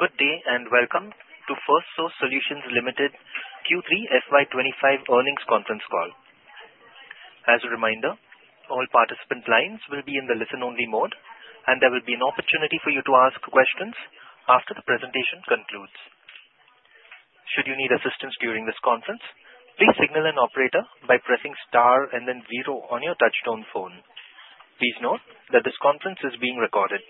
Good day and welcome to Firstsource Solutions Limited Q3 FY25 earnings conference call. As a reminder, all participant lines will be in the listen-only mode, and there will be an opportunity for you to ask questions after the presentation concludes. Should you need assistance during this conference, please signal an operator by pressing star and then zero on your touch-tone phone. Please note that this conference is being recorded.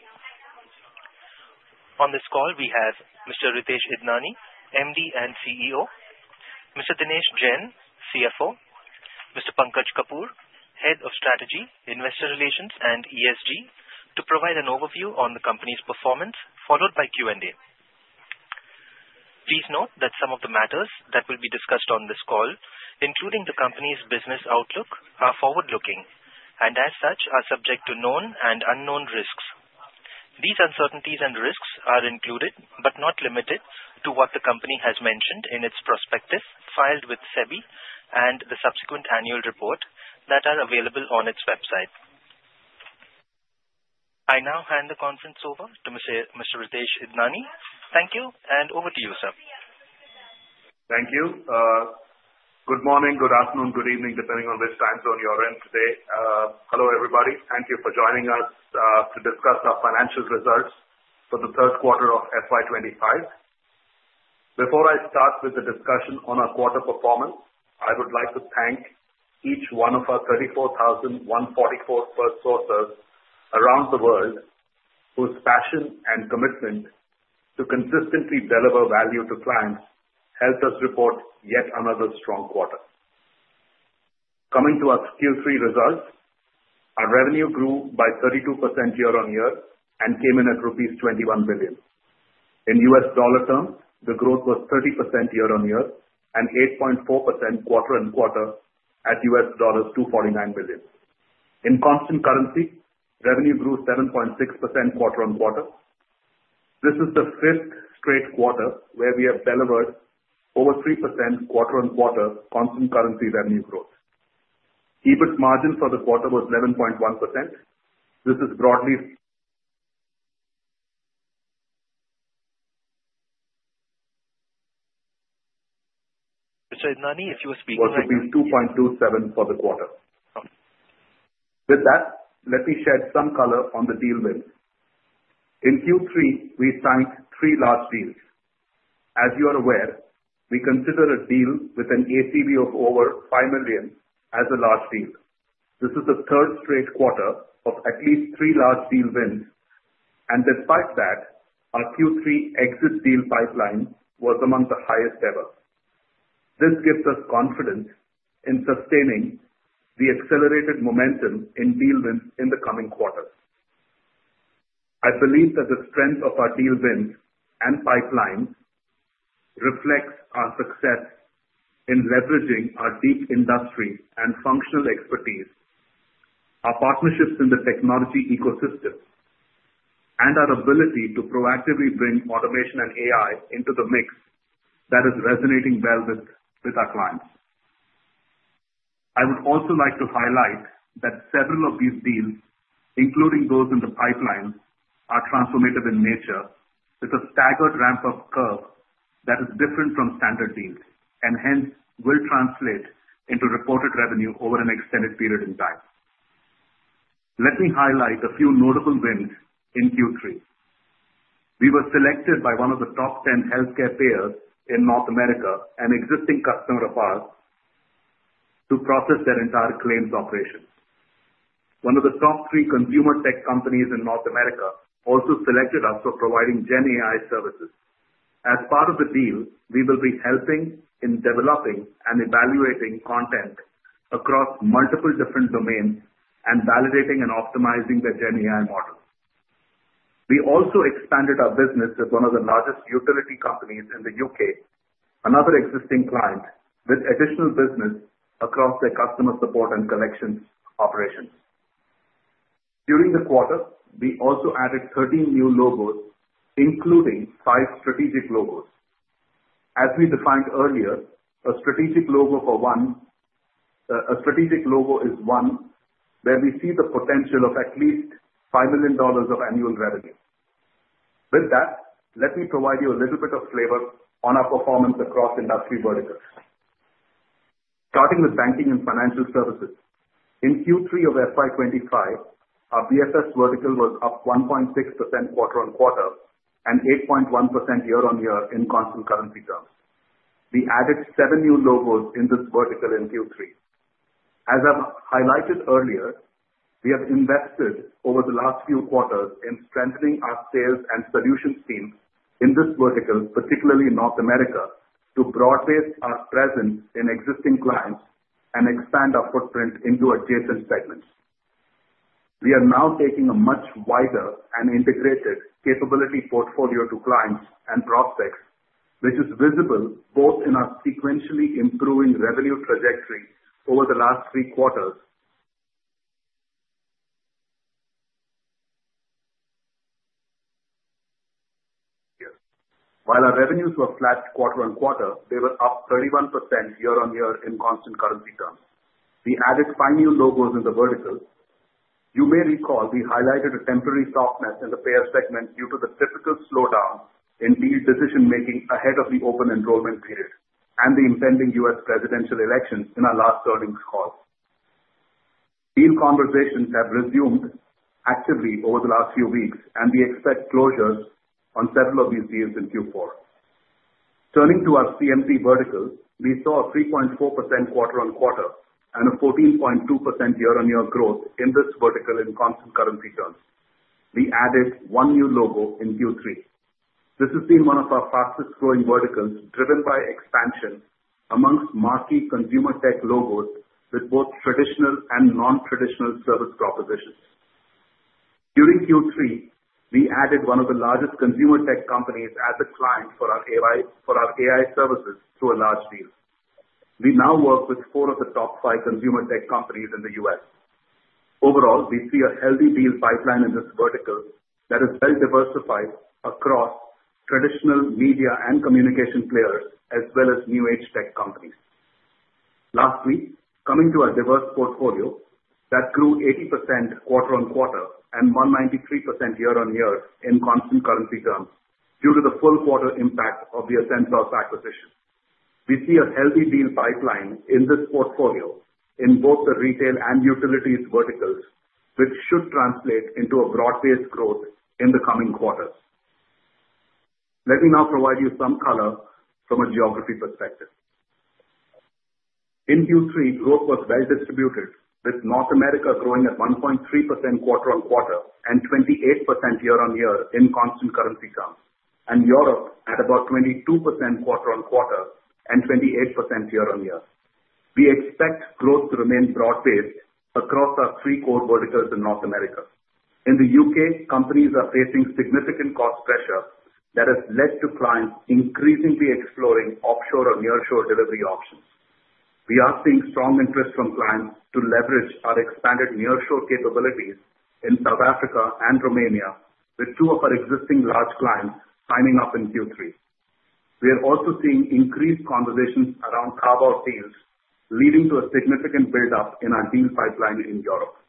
On this call, we have Mr. Ritesh Idnani, MD and CEO, Mr. Dinesh Jain, CFO, Mr. Pankaj Kapoor, Head of Strategy, Investor Relations, and ESG, to provide an overview on the company's performance, followed by Q&A. Please note that some of the matters that will be discussed on this call, including the company's business outlook, are forward-looking and, as such, are subject to known and unknown risks. These uncertainties and risks are included but not limited to what the company has mentioned in its prospectus filed with SEBI and the subsequent annual report that are available on its website. I now hand the conference over to Mr. Ritesh Idnani. Thank you, and over to you, sir. Thank you. Good morning, good afternoon, good evening, depending on which time zone you're in today. Hello, everybody. Thank you for joining us to discuss our results for the third quarter of FY25. Before I start with the discussion on our quarter performance, I would like to thank each one of our 34,144 Firstsourcers around the world whose passion and commitment to consistently deliver value to clients helped us report yet another strong quarter. Coming to our Q3 results, our revenue grew by 32% year-on-year and came in at rupees 21 billion. In US dollar terms, the growth was 30% year-on-year and 8.4% quarter-on-quarter at $249 million. In constant currency, revenue grew 7.6% quarter-on-quarter. This is the fifth straight quarter where we have delivered over 3% quarter-on-quarter constant currency revenue growth. EBIT margin for the quarter was 11.1%. This is broadly. Mr. Idnani, if you were speaking. Was 2.27 for the quarter. Okay. With that, let me shed some color on the deal wins. In Q3, we signed three large deals. As you are aware, we consider a deal with an ACV of over $5 million as a large deal. This is the third straight quarter of at least three large deal wins, and despite that, our Q3 exit deal pipeline was among the highest ever. This gives us confidence in sustaining the accelerated momentum in deal wins in the coming quarter. I believe that the strength of our deal wins and pipeline reflects our success in leveraging our deep industry and functional expertise, our partnerships in the technology ecosystem, and our ability to proactively bring automation and AI into the mix that is resonating well with our clients. I would also like to highlight that several of these deals, including those in the pipeline, are transformative in nature. It's a staggered ramp-up curve that is different from standard deals and hence will translate into reported revenue over an extended period in time. Let me highlight a few notable wins in Q3. We were selected by one of the top 10 healthcare payers in North America and existing customer of ours to process their entire claims operation. One of the top three consumer tech companies in North America also selected us for providing GenAI services. As part of the deal, we will be helping in developing and evaluating content across multiple different domains and validating and optimizing the GenAI model. We also expanded our business with one of the largest utility companies in the U.K., another existing client, with additional business across their customer support and collections operations. During the quarter, we also added 13 new logos, including five strategic logos. As we defined earlier, a strategic logo is one where we see the potential of at least $5 million of annual revenue. With that, let me provide you a little bit of flavor on our performance across industry verticals. Starting with Banking and Financial Services, in Q3 of FY25, our BFS vertical was up 1.6% quarter-on-quarter and 8.1% year-on-year in constant currency terms. We added seven new logos in this vertical in Q3. As I've highlighted earlier, we have invested over the last few quarters in strengthening our sales and solutions teams in this vertical, particularly North America, to broadcast our presence in existing clients and expand our footprint into adjacent segments. We are now taking a much wider and integrated capability portfolio to clients and prospects, which is visible both in our sequentially improving revenue trajectory over the last three quarters. While our revenues were flat quarter-on-quarter, they were up 31% year-on-year in constant currency terms. We added five new logos in the vertical. You may recall we highlighted a temporary softness in the payer segment due to the typical slowdown in deal decision-making ahead of the Open Enrollment period and the impending U.S. presidential elections in our last earnings call. Deal conversations have resumed actively over the last few weeks, and we expect closures on several of these deals in Q4. Turning to our CMT vertical, we saw a 3.4% quarter-on-quarter and a 14.2% year-on-year growth in this vertical in constant currency terms. We added one new logo in Q3. This has been one of our fastest-growing verticals, driven by expansion amongst marquee consumer tech logos with both traditional and non-traditional service propositions. During Q3, we added one of the largest consumer tech companies as a client for our AI services through a large deal. We now work with four of the top five consumer tech companies in the U.S. Overall, we see a healthy deal pipeline in this vertical that is well-diversified across traditional media and communication players as well as new-age tech companies. Lastly, coming to our diverse portfolio, that grew 80% quarter-on-quarter and 193% year-on-year in constant currency terms due to the full quarter impact of the Ascensos acquisition. We see a healthy deal pipeline in this portfolio in both the retail and utilities verticals, which should translate into a broad-based growth in the coming quarters. Let me now provide you some color from a geography perspective. In Q3, growth was well-distributed, with North America growing at 1.3% quarter-on-quarter and 28% year-on-year in constant currency terms, and Europe at about 22% quarter-on-quarter and 28% year-on-year. We expect growth to remain broad-based across our three core verticals in North America. In the U.K., companies are facing significant cost pressure that has led to clients increasingly exploring offshore or nearshore delivery options. We are seeing strong interest from clients to leverage our expanded nearshore capabilities in South Africa and Romania, with two of our existing large clients signing up in Q3. We are also seeing increased conversations around carve-out deals, leading to a significant build-up in our deal pipeline in Europe.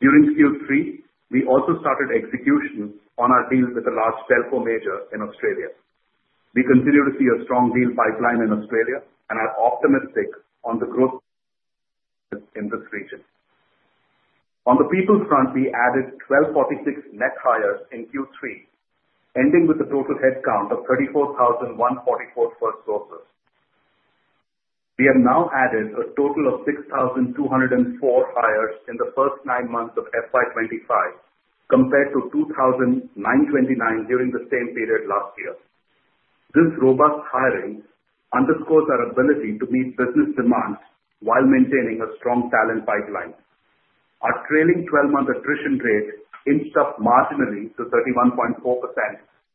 During Q3, we also started execution on our deals with a large telco major in Australia. We continue to see a strong deal pipeline in Australia and are optimistic on the growth in this region. On the people front, we added 1,246 net hires in Q3, ending with a total headcount of 34,144 Firstsourcers. We have now added a total of 6,204 hires in the first nine months of FY25, compared to 2,929 during the same period last year. This robust hiring underscores our ability to meet business demand while maintaining a strong talent pipeline. Our trailing 12-month attrition rate inched up marginally to 31.4%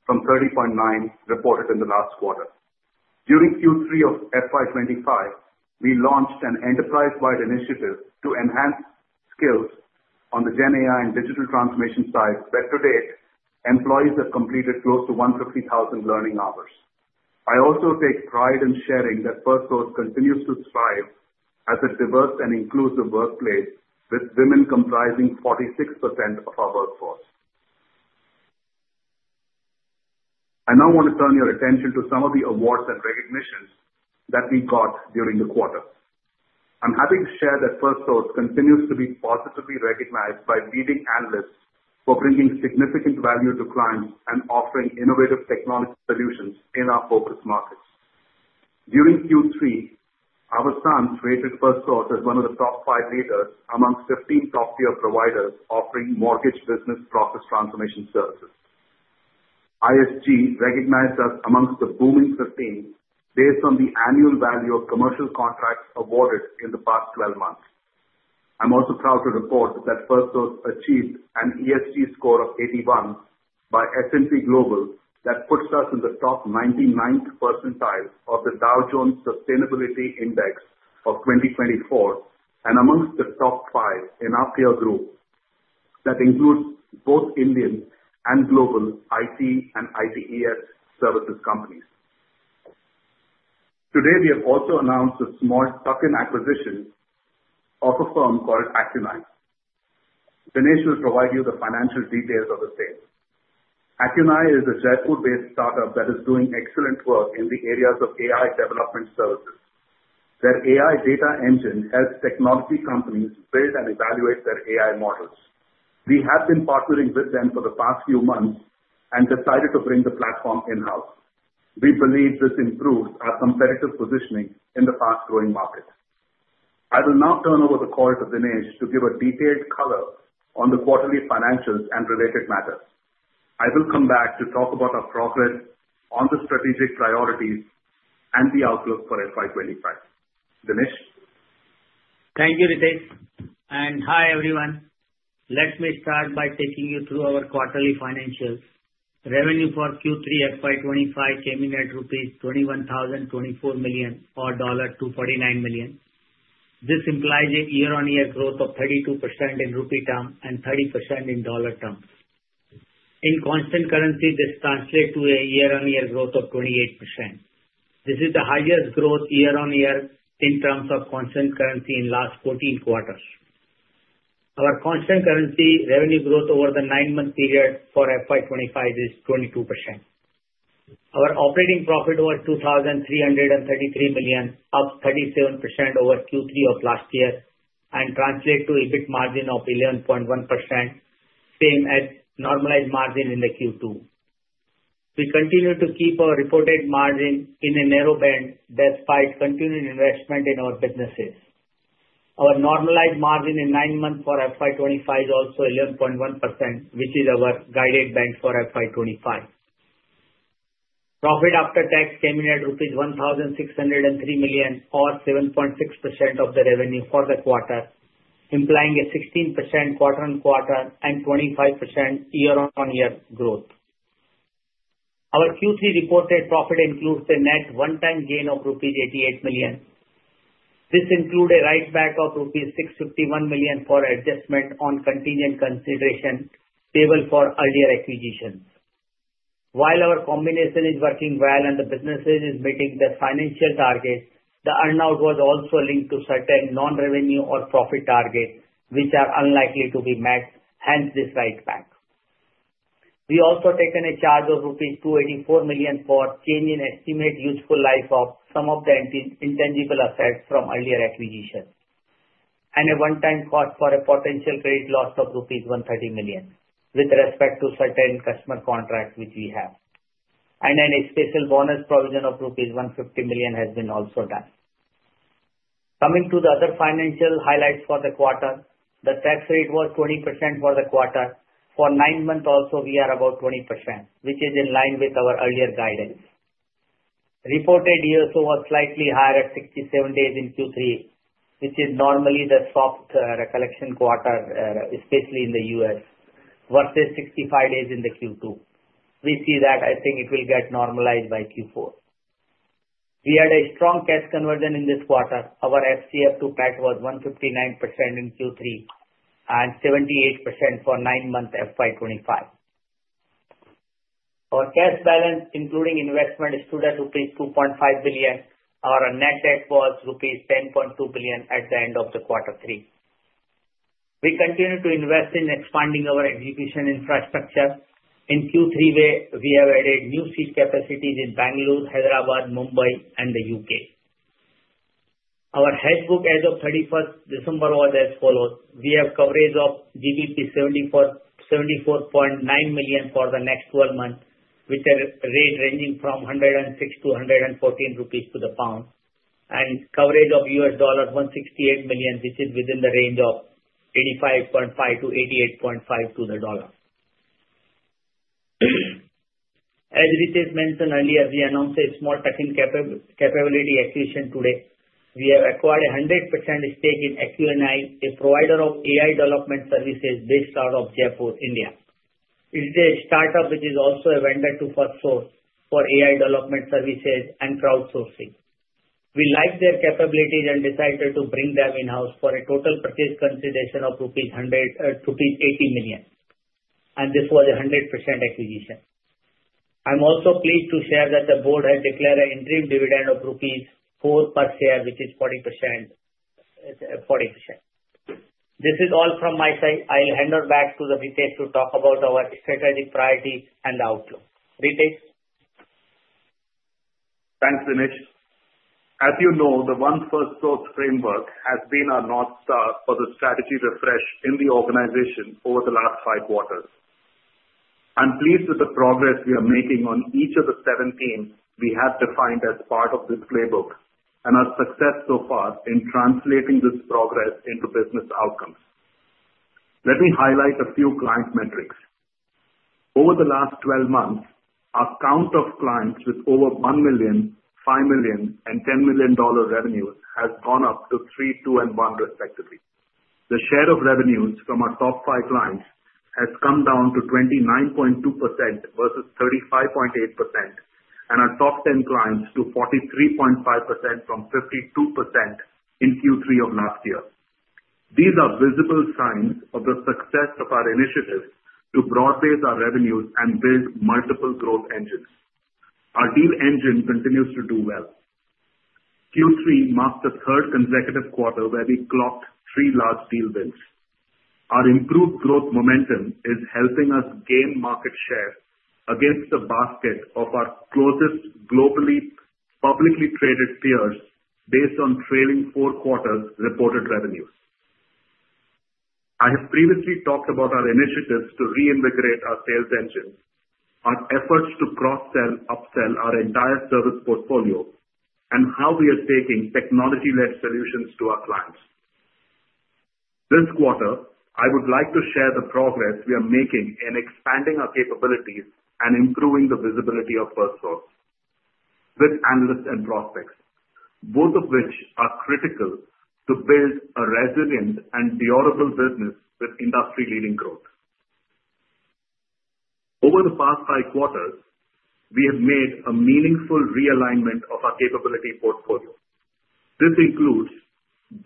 from 30.9% reported in the last quarter. During Q3 of FY25, we launched an enterprise-wide initiative to enhance skills on the GenAI and digital transformation side, where to date, employees have completed close to 150,000 learning hours. I also take pride in sharing that Firstsource continues to thrive as a diverse and inclusive workplace, with women comprising 46% of our workforce. I now want to turn your attention to some of the awards and recognitions that we got during the quarter. I'm happy to share that Firstsource continues to be positively recognized by leading analysts for bringing significant value to clients and offering innovative technology solutions in our focus markets. During Q3, Avasant rated Firstsource as one of the top five leaders amongst 15 top-tier providers offering mortgage business process transformation services. ISG recognized us amongst the top 15 based on the annual value of commercial contracts awarded in the past 12 months. I'm also proud to report that Firstsource achieved an ESG score of 81 by S&P Global that puts us in the top 99th percentile of the Dow Jones Sustainability Index of 2024 and amongst the top five in our peer group that includes both Indian and global IT and ITES services companies. Today, we have also announced a small tuck-in acquisition of a firm called AccunAI. Dinesh will provide you the financial details of the sale. AccunAI is a Jaipur-based startup that is doing excellent work in the areas of AI development services. Their AI data engine helps technology companies build and evaluate their AI models. We have been partnering with them for the past few months and decided to bring the platform in-house. We believe this improves our competitive positioning in the fast-growing market. I will now turn over the call to Dinesh to give a detailed color on the quarterly financials and related matters. I will come back to talk about our progress on the strategic priorities and the outlook for FY25. Dinesh? Thank you, Ritesh, and hi, everyone. Let me start by taking you through our quarterly financials. Revenue for Q3 FY25 came in at rupees 21,024 million or $249 million. This implies a year-on-year growth of 32% in rupee terms and 30% in dollar terms. In constant currency, this translates to a year-on-year growth of 28%. This is the highest growth year-on-year in terms of constant currency in the last 14 quarters. Our constant currency revenue growth over the nine-month period for FY25 is 22%. Our operating profit was 2,333 million, up 37% over Q3 of last year, and translates to a EBIT margin of 11.1%, same as normalized margin in Q2. We continue to keep our reported margin in a narrow band despite continued investment in our businesses. Our normalized margin in nine months for FY25 is also 11.1%, which is our guided band for FY25. Profit after tax came in at rupees 1,603 million, or 7.6% of the revenue for the quarter, implying a 16% quarter-on-quarter and 25% year-on-year growth. Our Q3 reported profit includes a net one-time gain of rupees 88 million. This included a write-back of rupees 651 million for adjustment on contingent consideration payable for earlier acquisitions. While our integration is working well and the businesses are meeting their financial targets, the earnout was also linked to certain non-revenue or profit targets, which are unlikely to be met. Hence, this write-back. We also took a charge of rupees 284 million for change in estimated useful life of some of the intangible assets from earlier acquisitions, and a one-time cost for a potential credit loss of rupees 130 million with respect to certain customer contracts which we have. A special bonus provision of rupees 150 million has also been done. Coming to the other financial highlights for the quarter, the tax rate was 20% for the quarter. For nine months also, we are about 20%, which is in line with our earlier guidance. Reported year-to-year was slightly higher at 67 days in Q3, which is normally the soft collection quarter, especially in the U.S., versus 65 days in Q2. We see that I think it will get normalized by Q4. We had a strong cash conversion in this quarter. Our FCF to PAT was 159% in Q3 and 78% for nine months FY25. Our cash balance, including investment, is rupees 2.5 billion. Our net debt was rupees 10.2 billion at the end of the quarter three. We continue to invest in expanding our execution infrastructure. In Q3, we have added new seat capacities in Bengaluru, Hyderabad, Mumbai, and the U.K. Our hedgebook as of 31st December was as follows: we have coverage of 74.9 million for the next 12 months, with a rate ranging from 106-114 rupees to the pound, and coverage of US dollar 168 million, which is within the range of 85.5-88.5 to the dollar. As Ritesh mentioned earlier, we announced a small tech capability acquisition today. We have acquired a 100% stake in AccunAI, a provider of AI development services based out of Jaipur, India. It is a startup which is also a vendor to Firstsource for AI development services and crowdsourcing. We liked their capabilities and decided to bring them in-house for a total purchase consideration of 180 million rupees. And this was a 100% acquisition. I'm also pleased to share that the board has declared an interim dividend of rupees 4 per share, which is 40%. This is all from my side. I'll hand it back to Ritesh to talk about our strategic priorities and outlook. Ritesh? Thanks, Dinesh. As you know, the One Firstsource Framework has been our North Star for the strategy refresh in the organization over the last five quarters. I'm pleased with the progress we are making on each of the seven teams we have defined as part of this playbook and our success so far in translating this progress into business outcomes. Let me highlight a few client metrics. Over the last 12 months, our count of clients with over $1 million, $5 million, and $10 million revenues has gone up to three, two, and one, respectively. The share of revenues from our top five clients has come down to 29.2% versus 35.8%, and our top 10 clients to 43.5% from 52% in Q3 of last year. These are visible signs of the success of our initiative to broad-based our revenues and build multiple growth engines. Our deal engine continues to do well. Q3 marked the third consecutive quarter where we clocked three large deal wins. Our improved growth momentum is helping us gain market share against the basket of our closest globally publicly traded peers based on trailing four quarters reported revenues. I have previously talked about our initiatives to reinvigorate our sales engines, our efforts to cross-sell upsell our entire service portfolio, and how we are taking technology-led solutions to our clients. This quarter, I would like to share the progress we are making in expanding our capabilities and improving the visibility of Firstsource with analysts and prospects, both of which are critical to build a resilient and durable business with industry-leading growth. Over the past five quarters, we have made a meaningful realignment of our capability portfolio. This includes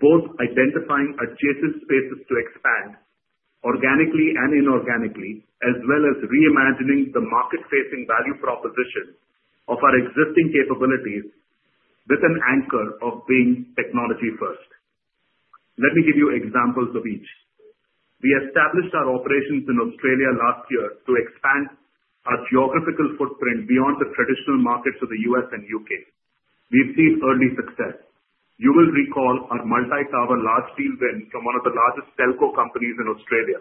both identifying adjacent spaces to expand organically and inorganically, as well as reimagining the market-facing value proposition of our existing capabilities with an anchor of being technology-first. Let me give you examples of each. We established our operations in Australia last year to expand our geographical footprint beyond the traditional markets of the U.S. and U.K. We've seen early success. You will recall our multi-tower large deal win from one of the largest telco companies in Australia.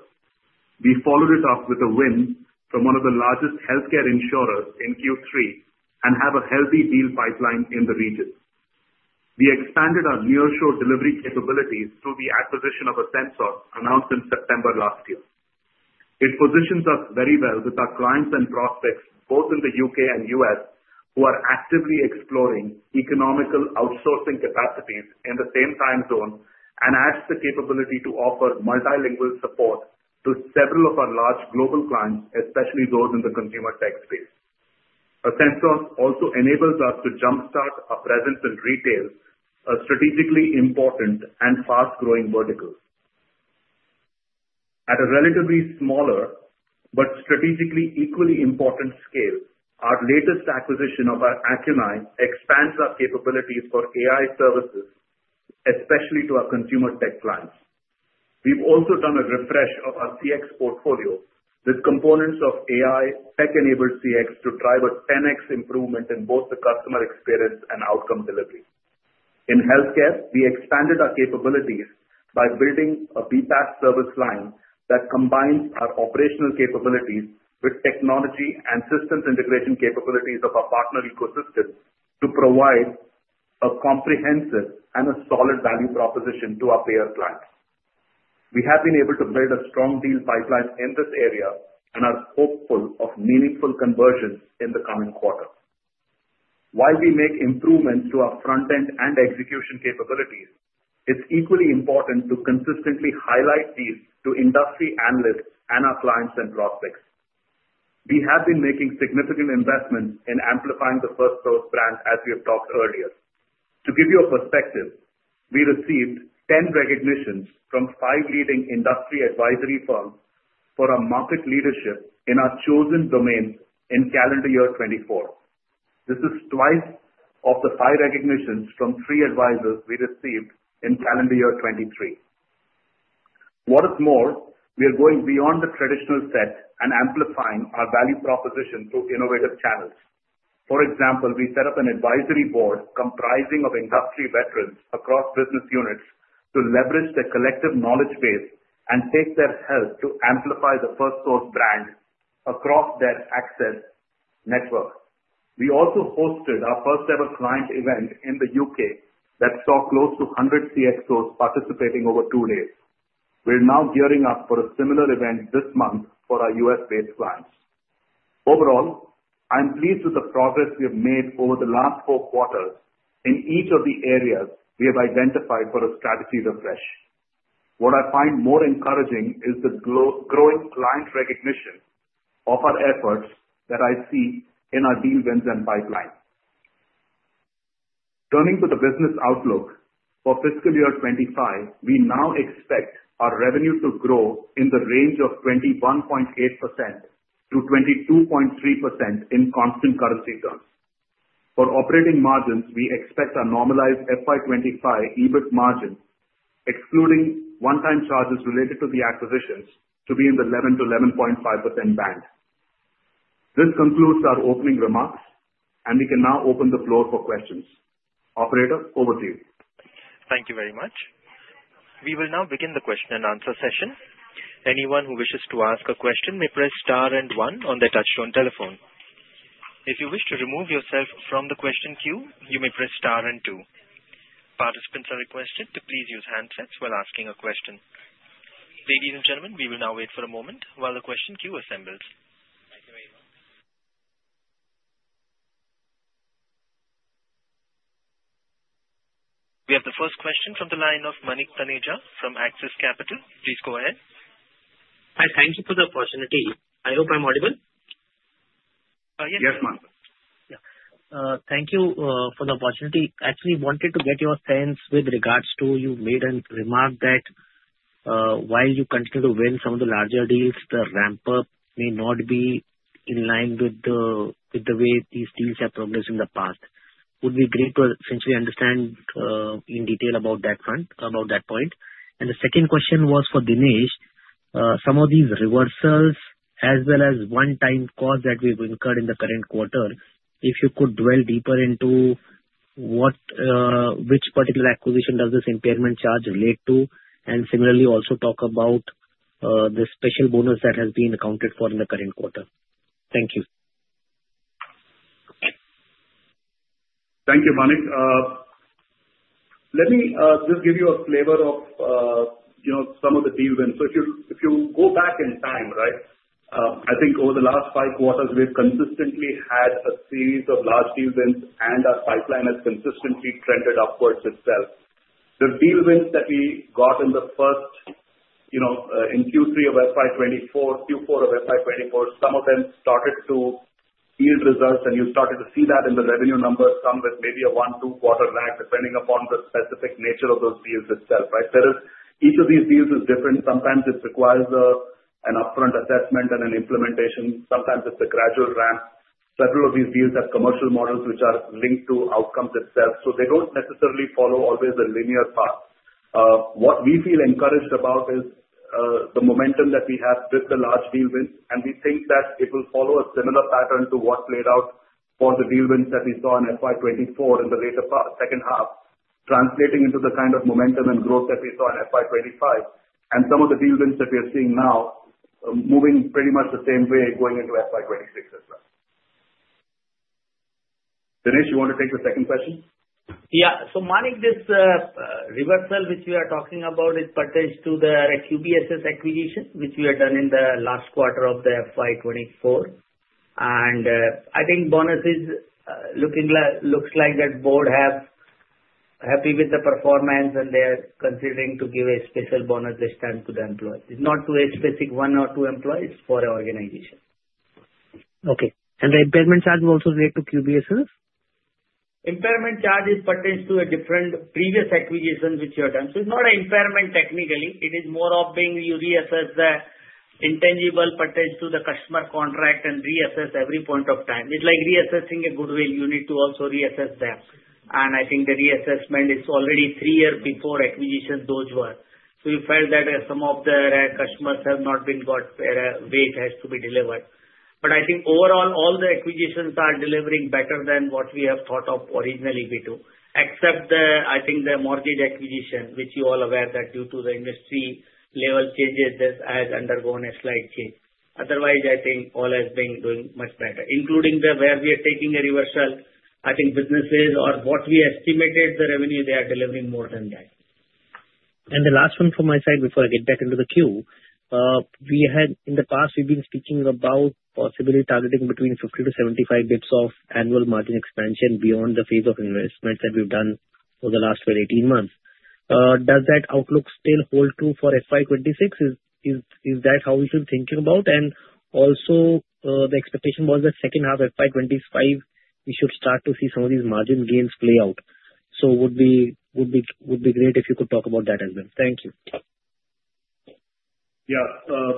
We followed it up with a win from one of the largest healthcare insurers in Q3 and have a healthy deal pipeline in the region. We expanded our nearshore delivery capabilities through the acquisition of Ascensos, announced in September last year. It positions us very well with our clients and prospects, both in the U.K. and U.S., who are actively exploring economical outsourcing capacities in the same time zone and adds the capability to offer multilingual support to several of our large global clients, especially those in the consumer tech space. Ascensos also enables us to jump-start our presence in retail, a strategically important and fast-growing vertical. At a relatively smaller but strategically equally important scale, our latest acquisition of AccunAI expands our capabilities for AI services, especially to our consumer tech clients. We've also done a refresh of our CX portfolio with components of AI tech-enabled CX to drive a 10x improvement in both the customer experience and outcome delivery. In healthcare, we expanded our capabilities by building a BPaaS service line that combines our operational capabilities with technology and systems integration capabilities of our partner ecosystem to provide a comprehensive and a solid value proposition to our payer clients. We have been able to build a strong deal pipeline in this area and are hopeful of meaningful conversions in the coming quarter. While we make improvements to our front-end and execution capabilities, it's equally important to consistently highlight these to industry analysts and our clients and prospects. We have been making significant investments in amplifying the Firstsource brand, as we have talked earlier. To give you a perspective, we received 10 recognitions from five leading industry advisory firms for our market leadership in our chosen domains in calendar year 2024. This is twice of the five recognitions from three advisors we received in calendar year 2023. What's more, we are going beyond the traditional set and amplifying our value proposition through innovative channels. For example, we set up an advisory board comprising of industry veterans across business units to leverage their collective knowledge base and take their help to amplify the Firstsource brand across their access network. We also hosted our first-ever client event in the U.K. that saw close to 100 CXOs participating over two days. We're now gearing up for a similar event this month for our U.S.-based clients. Overall, I'm pleased with the progress we have made over the last four quarters in each of the areas we have identified for a strategy refresh. What I find more encouraging is the growing client recognition of our efforts that I see in our deal wins and pipeline. Turning to the business outlook for fiscal year 2025, we now expect our revenue to grow in the range of 21.8%-22.3% in constant currency terms. For operating margins, we expect our normalized FY 2025 EBIT margin, excluding one-time charges related to the acquisitions, to be in the 11%-11.5% band. This concludes our opening remarks, and we can now open the floor for questions. Operator, over to you. Thank you very much. We will now begin the question and answer session. Anyone who wishes to ask a question may press star and one on their touch-tone telephone. If you wish to remove yourself from the question queue, you may press star and two. Participants are requested to please use handsets while asking a question. Ladies and gentlemen, we will now wait for a moment while the question queue assembles. We have the first question from the line of Manik Taneja from AXIS Capital. Please go ahead. Hi. Thank you for the opportunity. I hope I'm audible. Yes, Manik. Yes. Thank you for the opportunity. Actually, I wanted to get your sense with regards to you made a remark that while you continue to win some of the larger deals, the ramp-up may not be in line with the way these deals have progressed in the past. It would be great to essentially understand in detail about that point, and the second question was for Dinesh. Some of these reversals, as well as one-time costs that we've incurred in the current quarter, if you could dwell deeper into which particular acquisition does this impairment charge relate to, and similarly also talk about the special bonus that has been accounted for in the current quarter? Thank you. Thank you, Manik. Let me just give you a flavor of some of the deal wins. So if you go back in time, right, I think over the last five quarters, we've consistently had a series of large deal wins, and our pipeline has consistently trended upwards itself. The deal wins that we got in the first in Q3 of FY24, Q4 of FY24, some of them started to yield results, and you started to see that in the revenue numbers, some with maybe a one, two-quarter lag, depending upon the specific nature of those deals itself. Each of these deals is different. Sometimes it requires an upfront assessment and an implementation. Sometimes it's a gradual ramp. Several of these deals have commercial models which are linked to outcomes itself, so they don't necessarily follow always a linear path. What we feel encouraged about is the momentum that we have with the large deal wins, and we think that it will follow a similar pattern to what played out for the deal wins that we saw in FY24 in the later second half, translating into the kind of momentum and growth that we saw in FY25 and some of the deal wins that we are seeing now moving pretty much the same way going into FY26 as well. Dinesh, you want to take the second question? Yeah. So Manik, this reversal which we are talking about, it pertains to the QBSS acquisition, which we had done in the last quarter of the FY24. And I think bonus looks like the board is happy with the performance, and they are considering to give a special bonus this time to the employees. It's not to a specific one or two employees for an organization. Okay. And the impairment charge will also relate to QBSS? Impairment charge pertains to a different previous acquisition which you have done, so it's not an impairment technically. It is more of being you reassess the intangible pertains to the customer contract and reassess every point of time. It's like reassessing a goodwill. You need to also reassess that, and I think the reassessment is already three years before acquisition, those were, so we felt that some of the customers have not been got where weight has to be delivered, but I think overall, all the acquisitions are delivering better than what we have thought of originally we do, except I think the mortgage acquisition, which you all aware that due to the industry level changes, this has undergone a slight change. Otherwise, I think all has been doing much better, including where we are taking a reversal. I think businesses or what we estimated the revenue, they are delivering more than that. The last one from my side before I get back into the queue. In the past, we've been speaking about possibly targeting between 50 to 75 basis points of annual margin expansion beyond the phase of investments that we've done over the last 18 months. Does that outlook still hold true for FY26? Is that how we should be thinking about? Also, the expectation was that second half of FY25, we should start to see some of these margin gains play out. It would be great if you could talk about that as well. Thank you. Yeah.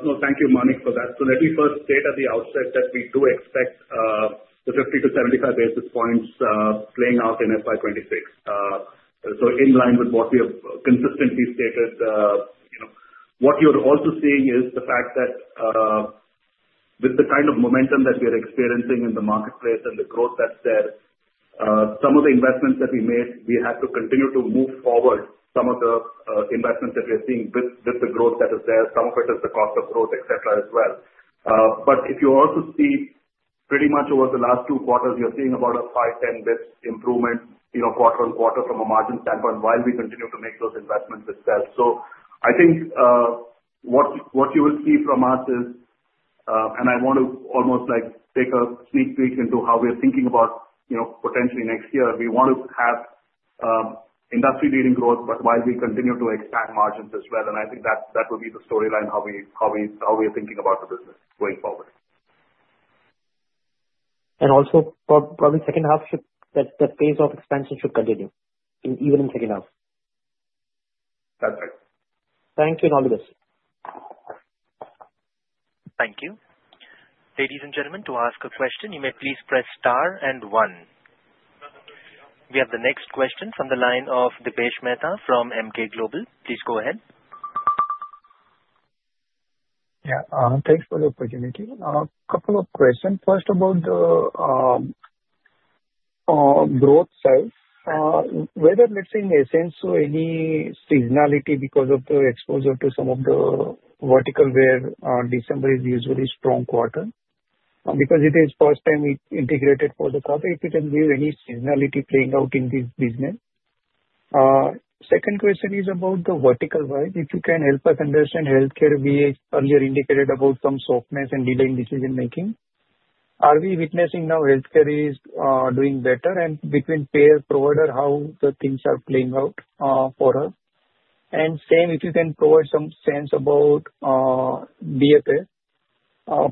No, thank you, Manik, for that. So let me first state at the outset that we do expect the 50-75 basis points playing out in FY26. So in line with what we have consistently stated, what you're also seeing is the fact that with the kind of momentum that we are experiencing in the marketplace and the growth that's there, some of the investments that we made, we had to continue to move forward some of the investments that we are seeing with the growth that is there. Some of it is the cost of growth, etc., as well. But if you also see pretty much over the last two quarters, you're seeing about a 5-10 basis points improvement quarter-on-quarter from a margin standpoint while we continue to make those investments itself. So I think what you will see from us is, and I want to almost take a sneak peek into how we're thinking about potentially next year, we want to have industry-leading growth, but while we continue to expand margins as well. And I think that will be the storyline how we are thinking about the business going forward. Also, probably second half, the phase of expansion should continue even in second half. That's right. Thank you, all of this. Thank you. Ladies and gentlemen, to ask a question, you may please press star and one. We have the next question from the line of Dipesh Mehta from Emkay Global. Please go ahead. Yeah. Thanks for the opportunity. A couple of questions. First, about the growth cell, whether it's in Ascensos or any seasonality because of the exposure to some of the verticals where December is usually a strong quarter because it is first time we integrated for the corporate to give any seasonality playing out in this business. Second question is about the vertical-wise. If you can help us understand healthcare, we earlier indicated about some softness and delaying decision-making. Are we witnessing now healthcare is doing better? And between payer-provider, how the things are playing out for us? And same, if you can provide some sense about BFS,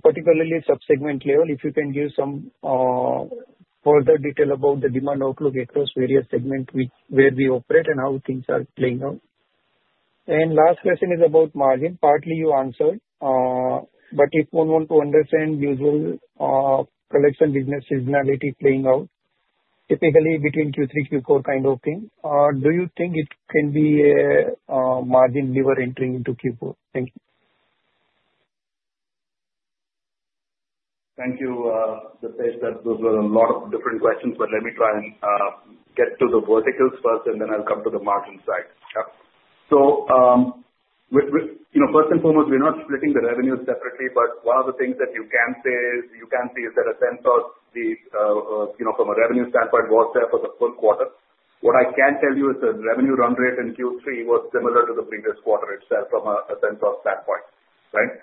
particularly subsegment level, if you can give some further detail about the demand outlook across various segments where we operate and how things are playing out. And last question is about margin. Partly you answered, but if one wants to understand usual collection business seasonality playing out, typically between Q3, Q4 kind of thing, do you think it can be a margin lever entering into Q4? Thank you. Thank you, Dipesh. Those were a lot of different questions, but let me try and get to the verticals first, and then I'll come to the margin side. So first and foremost, we're not splitting the revenues separately, but one of the things that you can say is you can see is that Ascensos from a revenue standpoint was there for the full quarter. What I can tell you is the revenue run rate in Q3 was similar to the previous quarter itself from an Ascensos standpoint, right?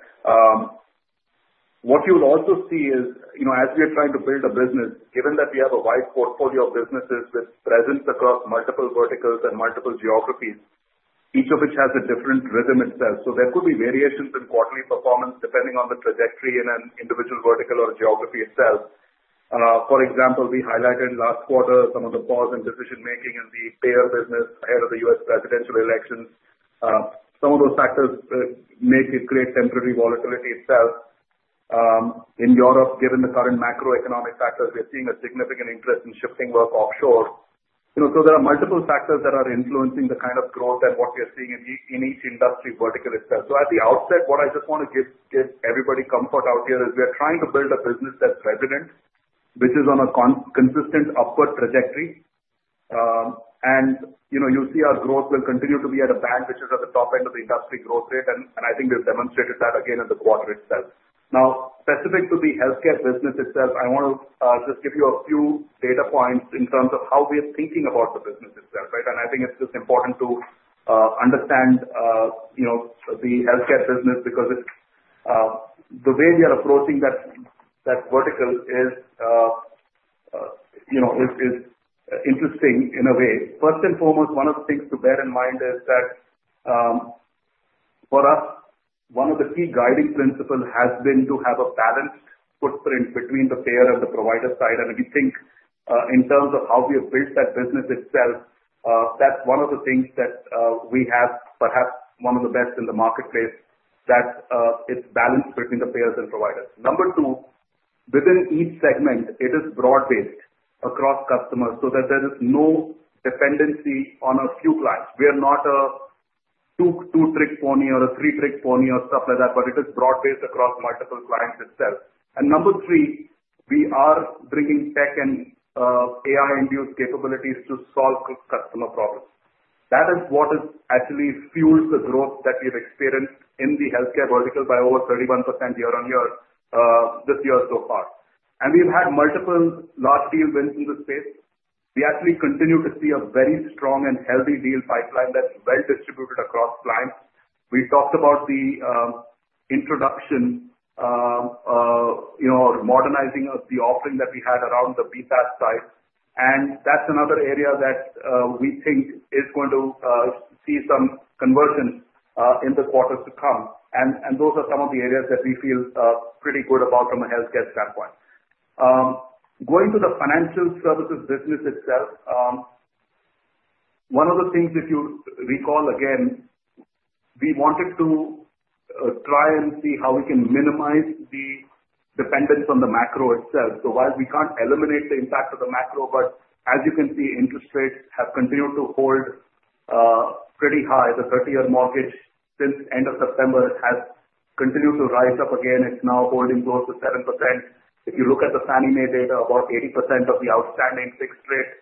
What you'll also see is, as we are trying to build a business, given that we have a wide portfolio of businesses with presence across multiple verticals and multiple geographies, each of which has a different rhythm itself. So there could be variations in quarterly performance depending on the trajectory in an individual vertical or geography itself. For example, we highlighted last quarter some of the pause in decision-making in the payer business ahead of the U.S. presidential elections. Some of those factors may create temporary volatility itself. In Europe, given the current macroeconomic factors, we're seeing a significant interest in shifting work offshore. So there are multiple factors that are influencing the kind of growth and what we are seeing in each industry vertical itself. So at the outset, what I just want to give everybody comfort out there is we are trying to build a business that's resilient, which is on a consistent upward trajectory, and you see our growth will continue to be at a band which is at the top end of the industry growth rate, and I think we've demonstrated that again in the quarter itself. Now, specific to the Healthcare business itself, I want to just give you a few data points in terms of how we are thinking about the business itself, right? And I think it's just important to understand the Healthcare business because the way we are approaching that vertical is interesting in a way. First and foremost, one of the things to bear in mind is that for us, one of the key guiding principles has been to have a balanced footprint between the payer and the provider side. And we think in terms of how we have built that business itself, that's one of the things that we have perhaps one of the best in the marketplace, that it's balanced between the payers and providers. Number two, within each segment, it is broad-based across customers so that there is no dependency on a few clients. We are not a two-trick pony or a three-trick pony or stuff like that, but it is broad-based across multiple clients itself. And number three, we are bringing tech and AI-induced capabilities to solve customer problems. That is what has actually fueled the growth that we have experienced in the Healthcare vertical by over 31% year-on-year this year so far. And we've had multiple large deal wins in this space. We actually continue to see a very strong and healthy deal pipeline that's well distributed across clients. We talked about the introduction or modernizing of the offering that we had around the BPaaS side. And that's another area that we think is going to see some conversion in the quarters to come. And those are some of the areas that we feel pretty good about from a healthcare standpoint. Going to the Financial Services business itself, one of the things that you recall again, we wanted to try and see how we can minimize the dependence on the macro itself, so while we can't eliminate the impact of the macro, but as you can see, interest rates have continued to hold pretty high. The 30-year mortgage since end of September has continued to rise up again. It's now holding close to 7%. If you look at the Fannie Mae data, about 80% of the outstanding fixed-rate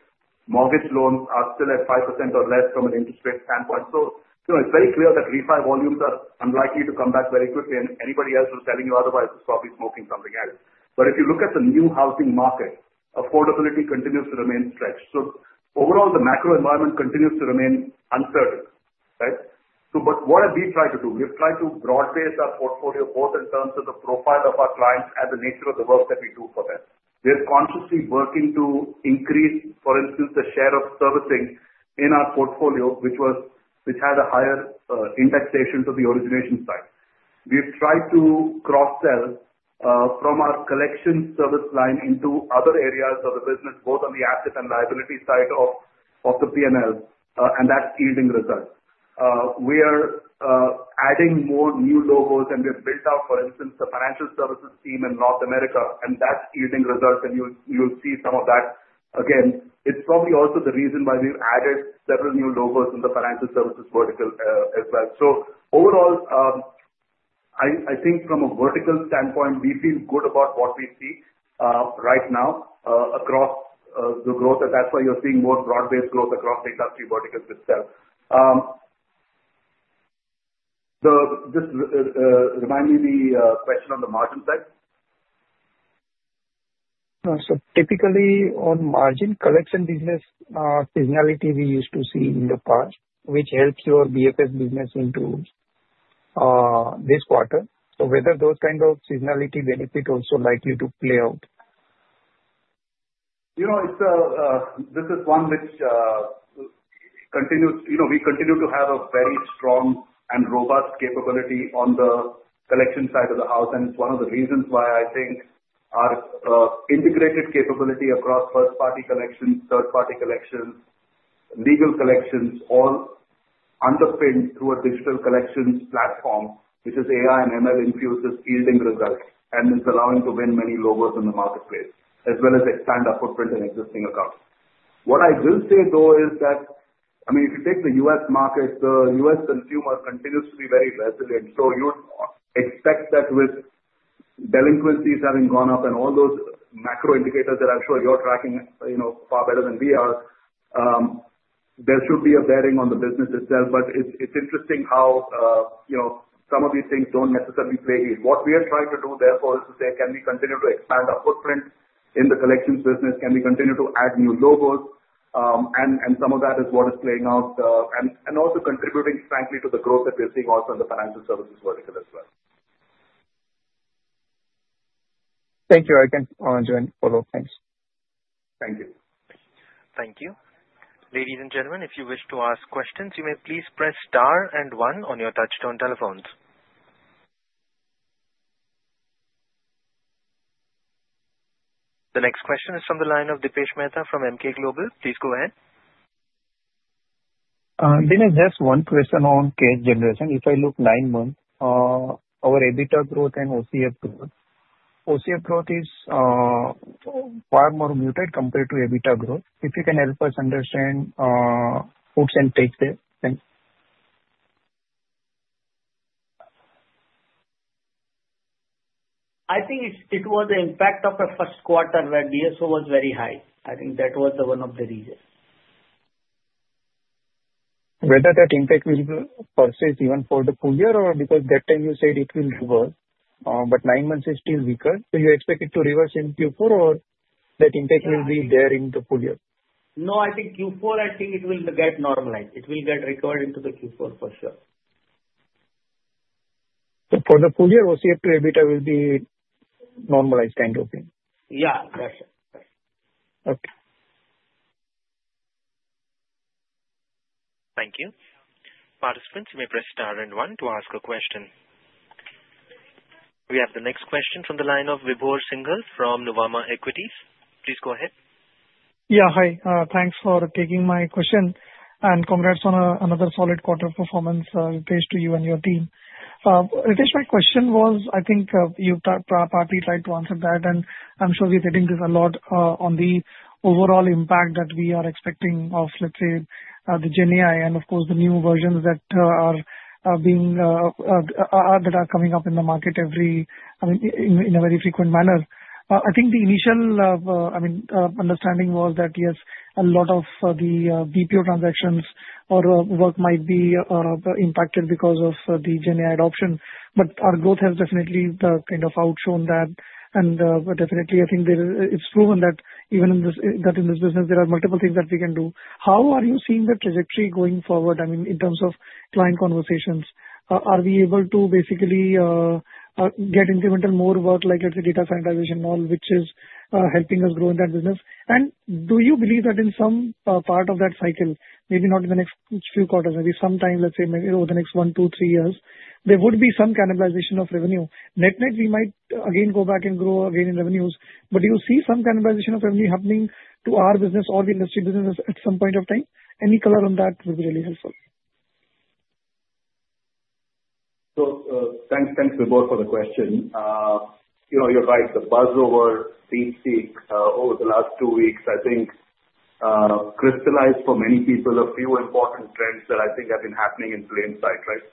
mortgage loans are still at 5% or less from an interest rate standpoint. So it's very clear that refinance volumes are unlikely to come back very quickly, and anybody else who's telling you otherwise is probably smoking something else. But if you look at the new housing market, affordability continues to remain stretched, so overall, the macro environment continues to remain uncertain, right? But what have we tried to do? We've tried to broad-based our portfolio both in terms of the profile of our clients and the nature of the work that we do for them. We're consciously working to increase, for instance, the share of servicing in our portfolio, which had a higher indexation to the origination side. We've tried to cross-sell from our collection service line into other areas of the business, both on the asset and liability side of the P&L, and that's yielding results. We are adding more new logos, and we have built out, for instance, the Financial Services team in North America, and that's yielding results. And you'll see some of that again. It's probably also the reason why we've added several new logos in the Financial Services vertical as well. Overall, I think from a vertical standpoint, we feel good about what we see right now across the growth, and that's why you're seeing more broad-based growth across the industry verticals itself. Just remind me the question on the margin side. So typically on margin collection business, seasonality we used to see in the past, which helps your BFS business in this quarter. So whether those kind of seasonality benefit also likely to play out? This is one which continues. We continue to have a very strong and robust capability on the collection side of the house, and it's one of the reasons why I think our integrated capability across first-party collections, third-party collections, legal collections, all underpinned through a digital collections platform, which is AI and ML infused with yielding results, and it's allowing to win many logos in the marketplace as well as expand our footprint in existing accounts. What I will say, though, is that, I mean, if you take the U.S. market, the U.S. consumer continues to be very resilient. So you would expect that with delinquencies having gone up and all those macro indicators that I'm sure you're tracking far better than we are, there should be a bearing on the business itself. But it's interesting how some of these things don't necessarily play here. What we are trying to do therefore is to say, can we continue to expand our footprint in the collections business? Can we continue to add new logos? And some of that is what is playing out and also contributing, frankly, to the growth that we're seeing also in the Financial Services vertical as well. Thank you, I can join for those. Thanks. Thank you. Thank you. Ladies and gentlemen, if you wish to ask questions, you may please press star and one on your touch-tone telephones. The next question is from the line of Dipesh Mehta from Emkay Global. Please go ahead. Dinesh, just one question on cash generation. If I look nine months, our EBITDA growth and OCF growth, OCF growth is far more muted compared to EBITDA growth. If you can help us understand why this is the case. I think it was the impact of the first quarter where DSO was very high. I think that was one of the reasons. Whether that impact will persist even for the full year or because that time you said it will reverse, but nine months is still weaker, so you expect it to reverse in Q4 or that impact will be there in the full year? No, I think Q4, I think it will get normalized. It will get recovered into the Q4 for sure. So for the full year, OCF to EBITDA will be normalized kind of thing? Yeah, that's right. Okay. Thank you. Participants, you may press star and one to ask a question. We have the next question from the line of Vibhor Singal from Nuvama Equities. Please go ahead. Yeah, hi. Thanks for taking my question and congrats on another solid quarter performance, Ritesh, to you and your team. Ritesh, my question was, I think you've probably tried to answer that, and I'm sure we're getting this a lot on the overall impact that we are expecting of, let's say, the GenAI and, of course, the new versions that are coming up in the market every in a very frequent manner. I think the initial, I mean, understanding was that, yes, a lot of the BPO transactions or work might be impacted because of the GenAI adoption, but our growth has definitely kind of outshone that, and definitely, I think it's proven that even in this business, there are multiple things that we can do. How are you seeing the trajectory going forward? I mean, in terms of client conversations, are we able to basically get incremental more work like data sanitization and all, which is helping us grow in that business? And do you believe that in some part of that cycle, maybe not in the next few quarters, maybe sometime, let's say, over the next one, two, three years, there would be some cannibalization of revenue? Net-net, we might again go back and grow again in revenues, but do you see some cannibalization of revenue happening to our business or the industry business at some point of time? Any color on that would be really helpful. So thanks, Vibhor, for the question. You're right. The buzz over DeepSeek over the last two weeks, I think, crystallized for many people a few important trends that I think have been happening in plain sight, right?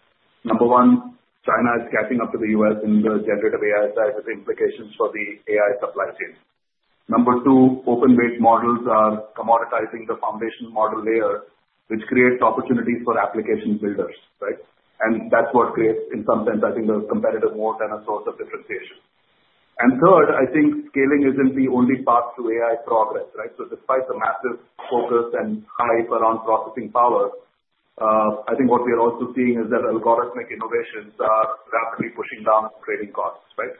Number one, China is catching up to the U.S. in the Generative AI side with implications for the AI supply chain. Number two, open-based models are commoditizing the foundation model layer, which creates opportunities for application builders, right? And that's what creates, in some sense, I think, the competitive moat and a source of differentiation. And third, I think scaling isn't the only path to AI progress, right? So despite the massive focus and hype around processing power, I think what we are also seeing is that algorithmic innovations are rapidly pushing down training costs, right?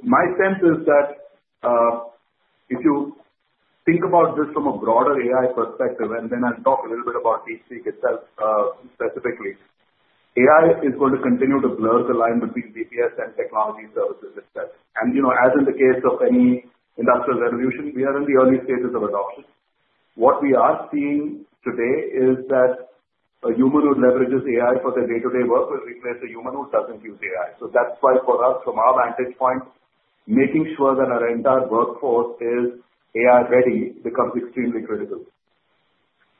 My sense is that if you think about this from a broader AI perspective, and then I'll talk a little bit about DeepSeek itself specifically, AI is going to continue to blur the line between BPS and technology services itself. As in the case of any industrial revolution, we are in the early stages of adoption. What we are seeing today is that a human who leverages AI for their day-to-day work will replace a human who doesn't use AI. That's why for us, from our vantage point, making sure that our entire workforce is AI-ready becomes extremely critical.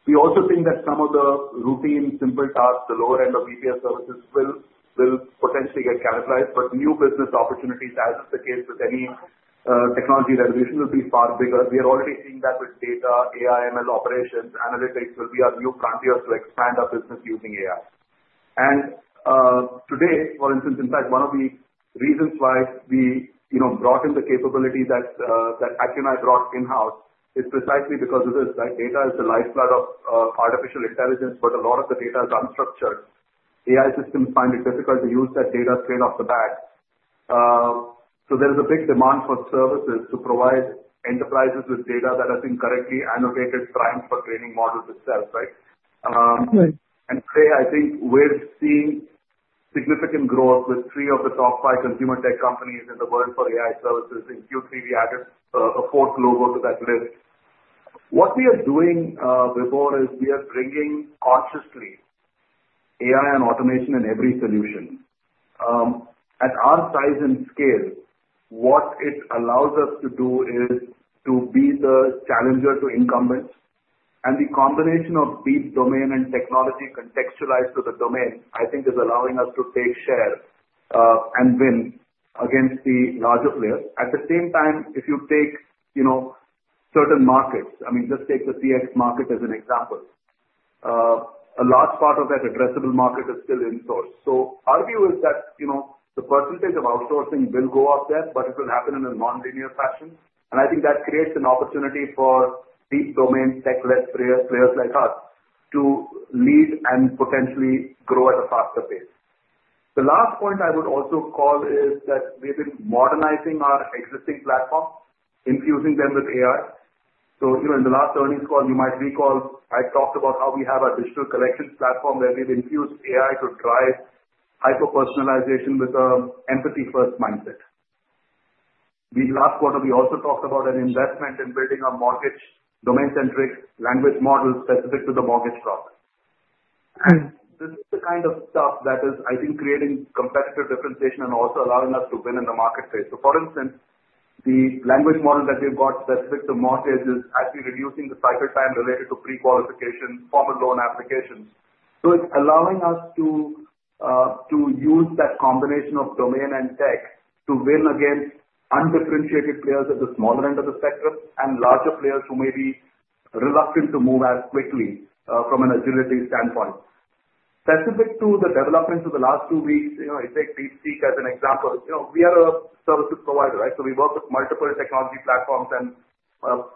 We also think that some of the routine, simple tasks, the lower end of BPS services will potentially get cannibalized, but new business opportunities, as is the case with any technology revolution, will be far bigger. We are already seeing that with data, AI/ML operations, analytics will be our new frontiers to expand our business using AI. And today, for instance, in fact, one of the reasons why we brought in the capability that AccunAI brought in-house is precisely because of this, right data is the lifeblood of artificial intelligence, but a lot of the data is unstructured. AI systems find it difficult to use that data straight off the bat. So there is a big demand for services to provide enterprises with data that has been correctly annotated, primed for training models itself, right? And today, I think we're seeing significant growth with three of the top five consumer tech companies in the world for AI services. In Q3, we added a fourth logo to that list. What we are doing, Vibhor, is we are bringing consciously AI and automation in every solution. At our size and scale, what it allows us to do is to be the challenger to incumbents. And the combination of deep domain and technology contextualized to the domain, I think, is allowing us to take share and win against the larger players. At the same time, if you take certain markets, I mean, just take the CX market as an example, a large part of that addressable market is still in-source. So our view is that the percentage of outsourcing will go up there, but it will happen in a non-linear fashion. And I think that creates an opportunity for deep domain tech-led players like us to lead and potentially grow at a faster pace. The last point I would also call is that we've been modernizing our existing platform, infusing them with AI. So in the last earnings call, you might recall I talked about how we have a digital collections platform where we've infused AI to drive hyper-personalization with an empathy-first mindset. Last quarter, we also talked about an investment in building a mortgage domain-centric language model specific to the mortgage process. This is the kind of stuff that is, I think, creating competitive differentiation and also allowing us to win in the marketplace. So for instance, the language model that we've got specific to mortgages has been reducing the cycle time related to pre-qualification, formal loan applications. So it's allowing us to use that combination of domain and tech to win against undifferentiated players at the smaller end of the spectrum and larger players who may be reluctant to move as quickly from an agility standpoint. Specific to the developments of the last two weeks, I take DeepSeek as an example. We are a services provider, right? So we work with multiple technology platforms and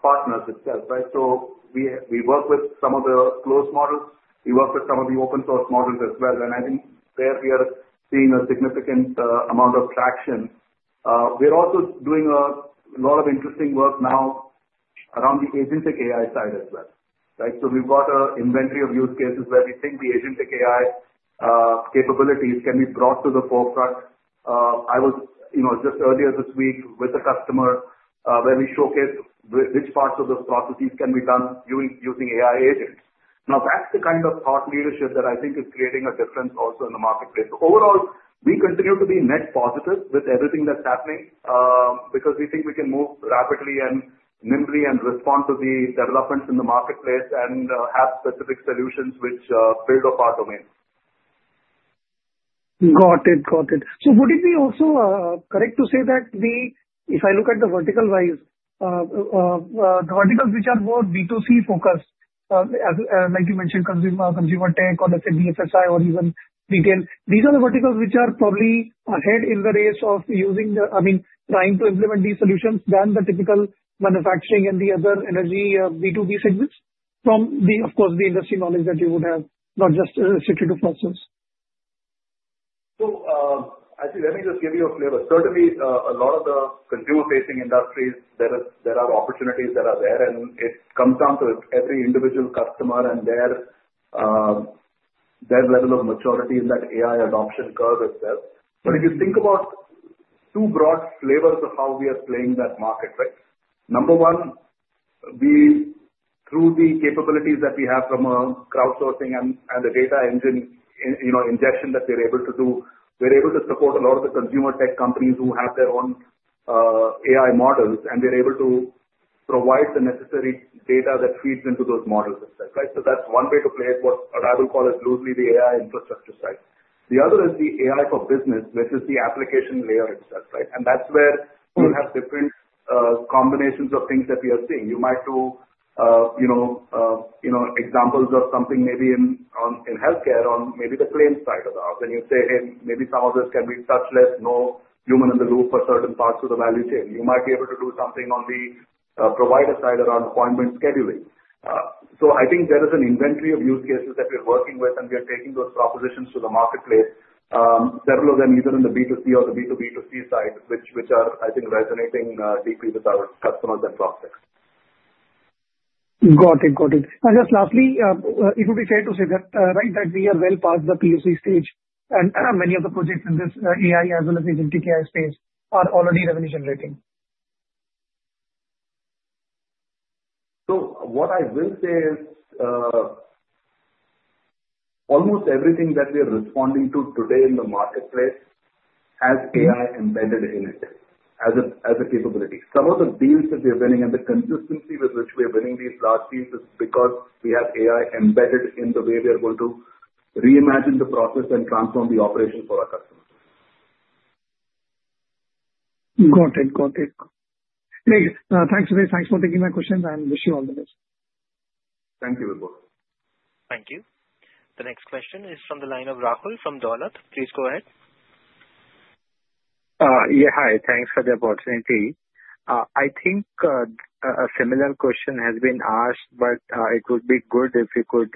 partners itself, right? So we work with some of the closed models. We work with some of the open-source models as well, and I think there we are seeing a significant amount of traction. We're also doing a lot of interesting work now around the AI side as well, right? So we've got an inventory of use cases where we think the Agentic AI capabilities can be brought to the forefront. I was just earlier this week with a customer where we showcased which parts of those processes can be done using AI agents. Now, that's the kind of thought leadership that I think is creating a difference also in the marketplace. So overall, we continue to be net positive with everything that's happening because we think we can move rapidly and nimbly and respond to the developments in the marketplace and have specific solutions which build up our domain. Got it. Got it. So would it be also correct to say that if I look at the vertical-wise, the verticals which are more B2C-focused, like you mentioned, consumer tech or, let's say, BFSI or even retail, these are the verticals which are probably ahead in the race of using, I mean, trying to implement these solutions than the typical manufacturing and the other energy B2B segments from, of course, the industry knowledge that you would have, not just restricted to Firstsource? So let me just give you a flavor. Certainly, a lot of the consumer-facing industries, there are opportunities that are there, and it comes down to every individual customer and their level of maturity in that AI adoption curve as well. But if you think about two broad flavors of how we are playing that market, right? Number one, through the capabilities that we have from crowdsourcing and the data engine injection that we're able to do, we're able to support a lot of the consumer tech companies who have their own AI models, and we're able to provide the necessary data that feeds into those models itself, right? So that's one way to play what I would call as loosely the AI infrastructure side. The other is the AI for business, which is the application layer itself, right? That's where you have different combinations of things that we are seeing. You might do examples of something maybe in healthcare on maybe the claim side of the house. You say, "Hey, maybe some of this can be touchless, no human in the loop for certain parts of the value chain." You might be able to do something on the provider side around appointment scheduling. I think there is an inventory of use cases that we're working with, and we are taking those propositions to the marketplace, several of them either in the B2C or the B2B2C side, which are, I think, resonating deeply with our customers and prospects. Got it. Got it. And just lastly, it would be fair to say that, right, that we are well past the POC stage, and many of the projects in this AI as well as Agentic AI space are already revenue-generating? So what I will say is almost everything that we are responding to today in the marketplace has AI embedded in it as a capability. Some of the deals that we are winning and the consistency with which we are winning these large deals is because we have AI embedded in the way we are going to reimagine the process and transform the operation for our customers. Got it. Got it. Thanks, Ritesh. Thanks for taking my questions, and wish you all the best. Thank you, Vibhor. Thank you. The next question is from the line of Rahul from Dolat. Please go ahead. Yeah, hi. Thanks for the opportunity. I think a similar question has been asked, but it would be good if you could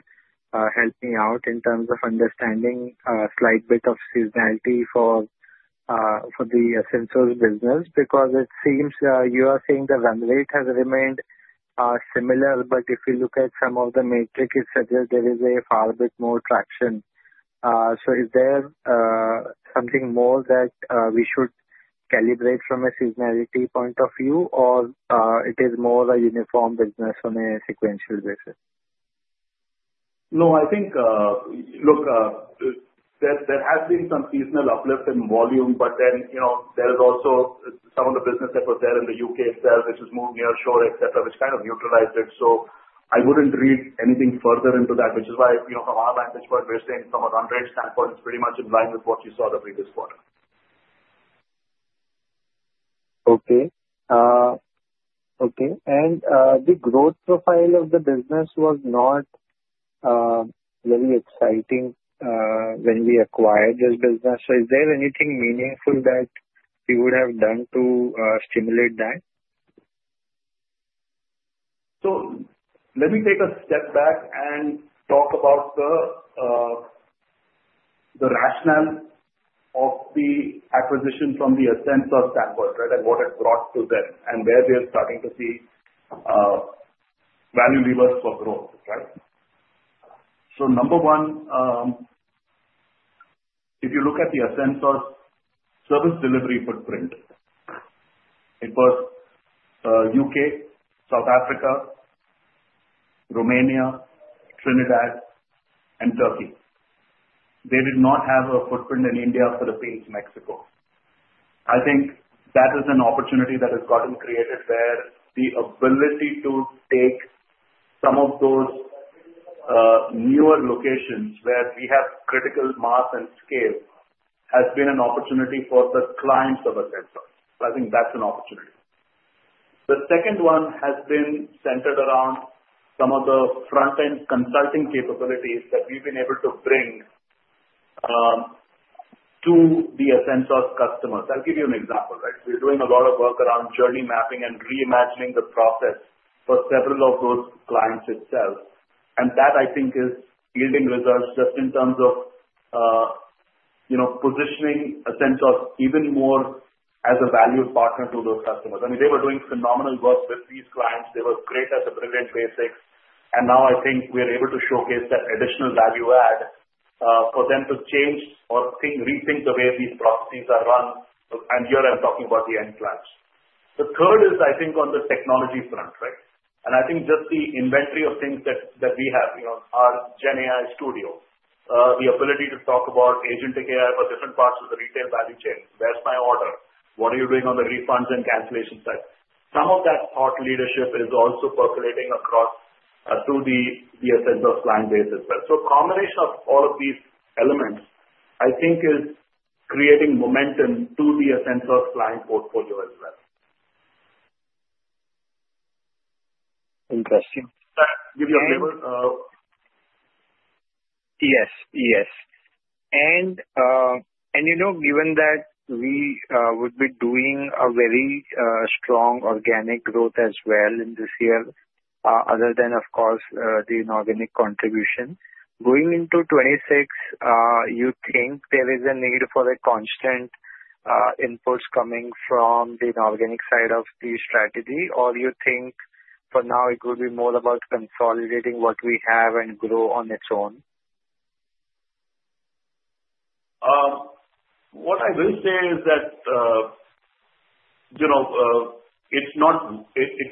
help me out in terms of understanding a slight bit of seasonality for the Asensos business because it seems you are saying the run rate has remained similar, but if you look at some of the metrics, it suggests there is a fair bit more traction. So is there something more that we should calibrate from a seasonality point of view, or it is more a uniform business on a sequential basis? No, I think, look, there has been some seasonal uplift in volume, but then there is also some of the business that was there in the U.K. itself, which has moved nearshore, etc., which kind of neutralized it. So I wouldn't read anything further into that, which is why from our vantage point, we're saying from a run rate standpoint, it's pretty much in line with what you saw the previous quarter. And the growth profile of the business was not very exciting when we acquired this business. So is there anything meaningful that you would have done to stimulate that? So let me take a step back and talk about the rationale of the acquisition from the Ascensos standpoint, right, and what it brought to them and where they are starting to see value levers for growth, right? So number one, if you look at the Ascensos service delivery footprint, it was U.K., South Africa, Romania, Trinidad, and Turkey. They did not have a footprint in India, Philippines, Mexico. I think that is an opportunity that has gotten created where the ability to take some of those newer locations where we have critical mass and scale has been an opportunity for the clients of Ascensos. So I think that's an opportunity. The second one has been centered around some of the front-end consulting capabilities that we've been able to bring to the Ascensos customers. I'll give you an example, right? We're doing a lot of work around journey mapping and reimagining the process for several of those clients itself. And that, I think, is yielding results just in terms of positioning Ascensos even more as a valued partner to those customers. I mean, they were doing phenomenal work with these clients. They were great at the brilliant basics. And now I think we're able to showcase that additional value add for them to change or rethink the way these processes are run. And here I'm talking about the end clients. The third is, I think, on the technology front, right? And I think just the inventory of things that we have, our GenAI studio, the ability to talk about Agentic AI for different parts of the retail value chain. Where's my order? What are you doing on the refunds and cancellation side? Some of that thought leadership is also percolating across to the Ascensos client base as well. So a combination of all of these elements, I think, is creating momentum to the Ascensos client portfolio as well. Interesting. Give you a flavor? Yes. Yes. And given that we would be doing a very strong organic growth as well this year, other than, of course, the inorganic contribution, going into 2026, you think there is a need for a constant inputs coming from the inorganic side of the strategy, or you think for now it will be more about consolidating what we have and grow on its own? What I will say is that it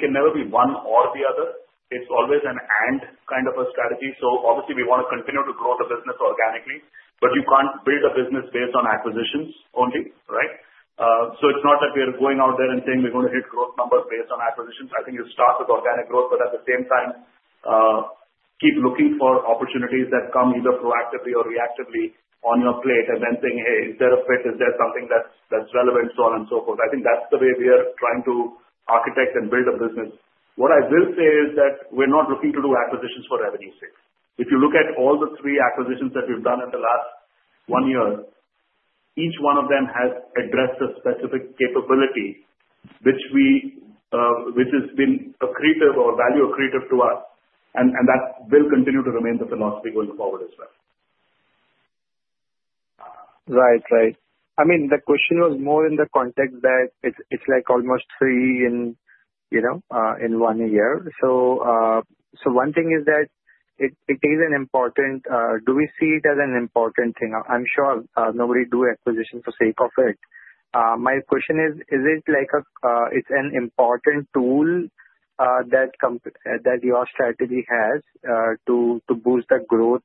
can never be one or the other. It's always an and kind of a strategy. So obviously, we want to continue to grow the business organically, but you can't build a business based on acquisitions only, right? So it's not that we're going out there and saying we're going to hit growth numbers based on acquisitions. I think it starts with organic growth, but at the same time, keep looking for opportunities that come either proactively or reactively on your plate and then saying, "Hey, is there a fit? Is there something that's relevant?" So on and so forth. I think that's the way we are trying to architect and build a business. What I will say is that we're not looking to do acquisitions for revenue's sake. If you look at all the three acquisitions that we've done in the last one year, each one of them has addressed a specific capability which has been a accretive or value-accretive to us, and that will continue to remain the philosophy going forward as well. Right. Right. I mean, the question was more in the context that it's like almost three in one year. So one thing is that it is an important. Do we see it as an important thing? I'm sure nobody do acquisition for sake of it. My question is, is it like it's an important tool that your strategy has to boost the growth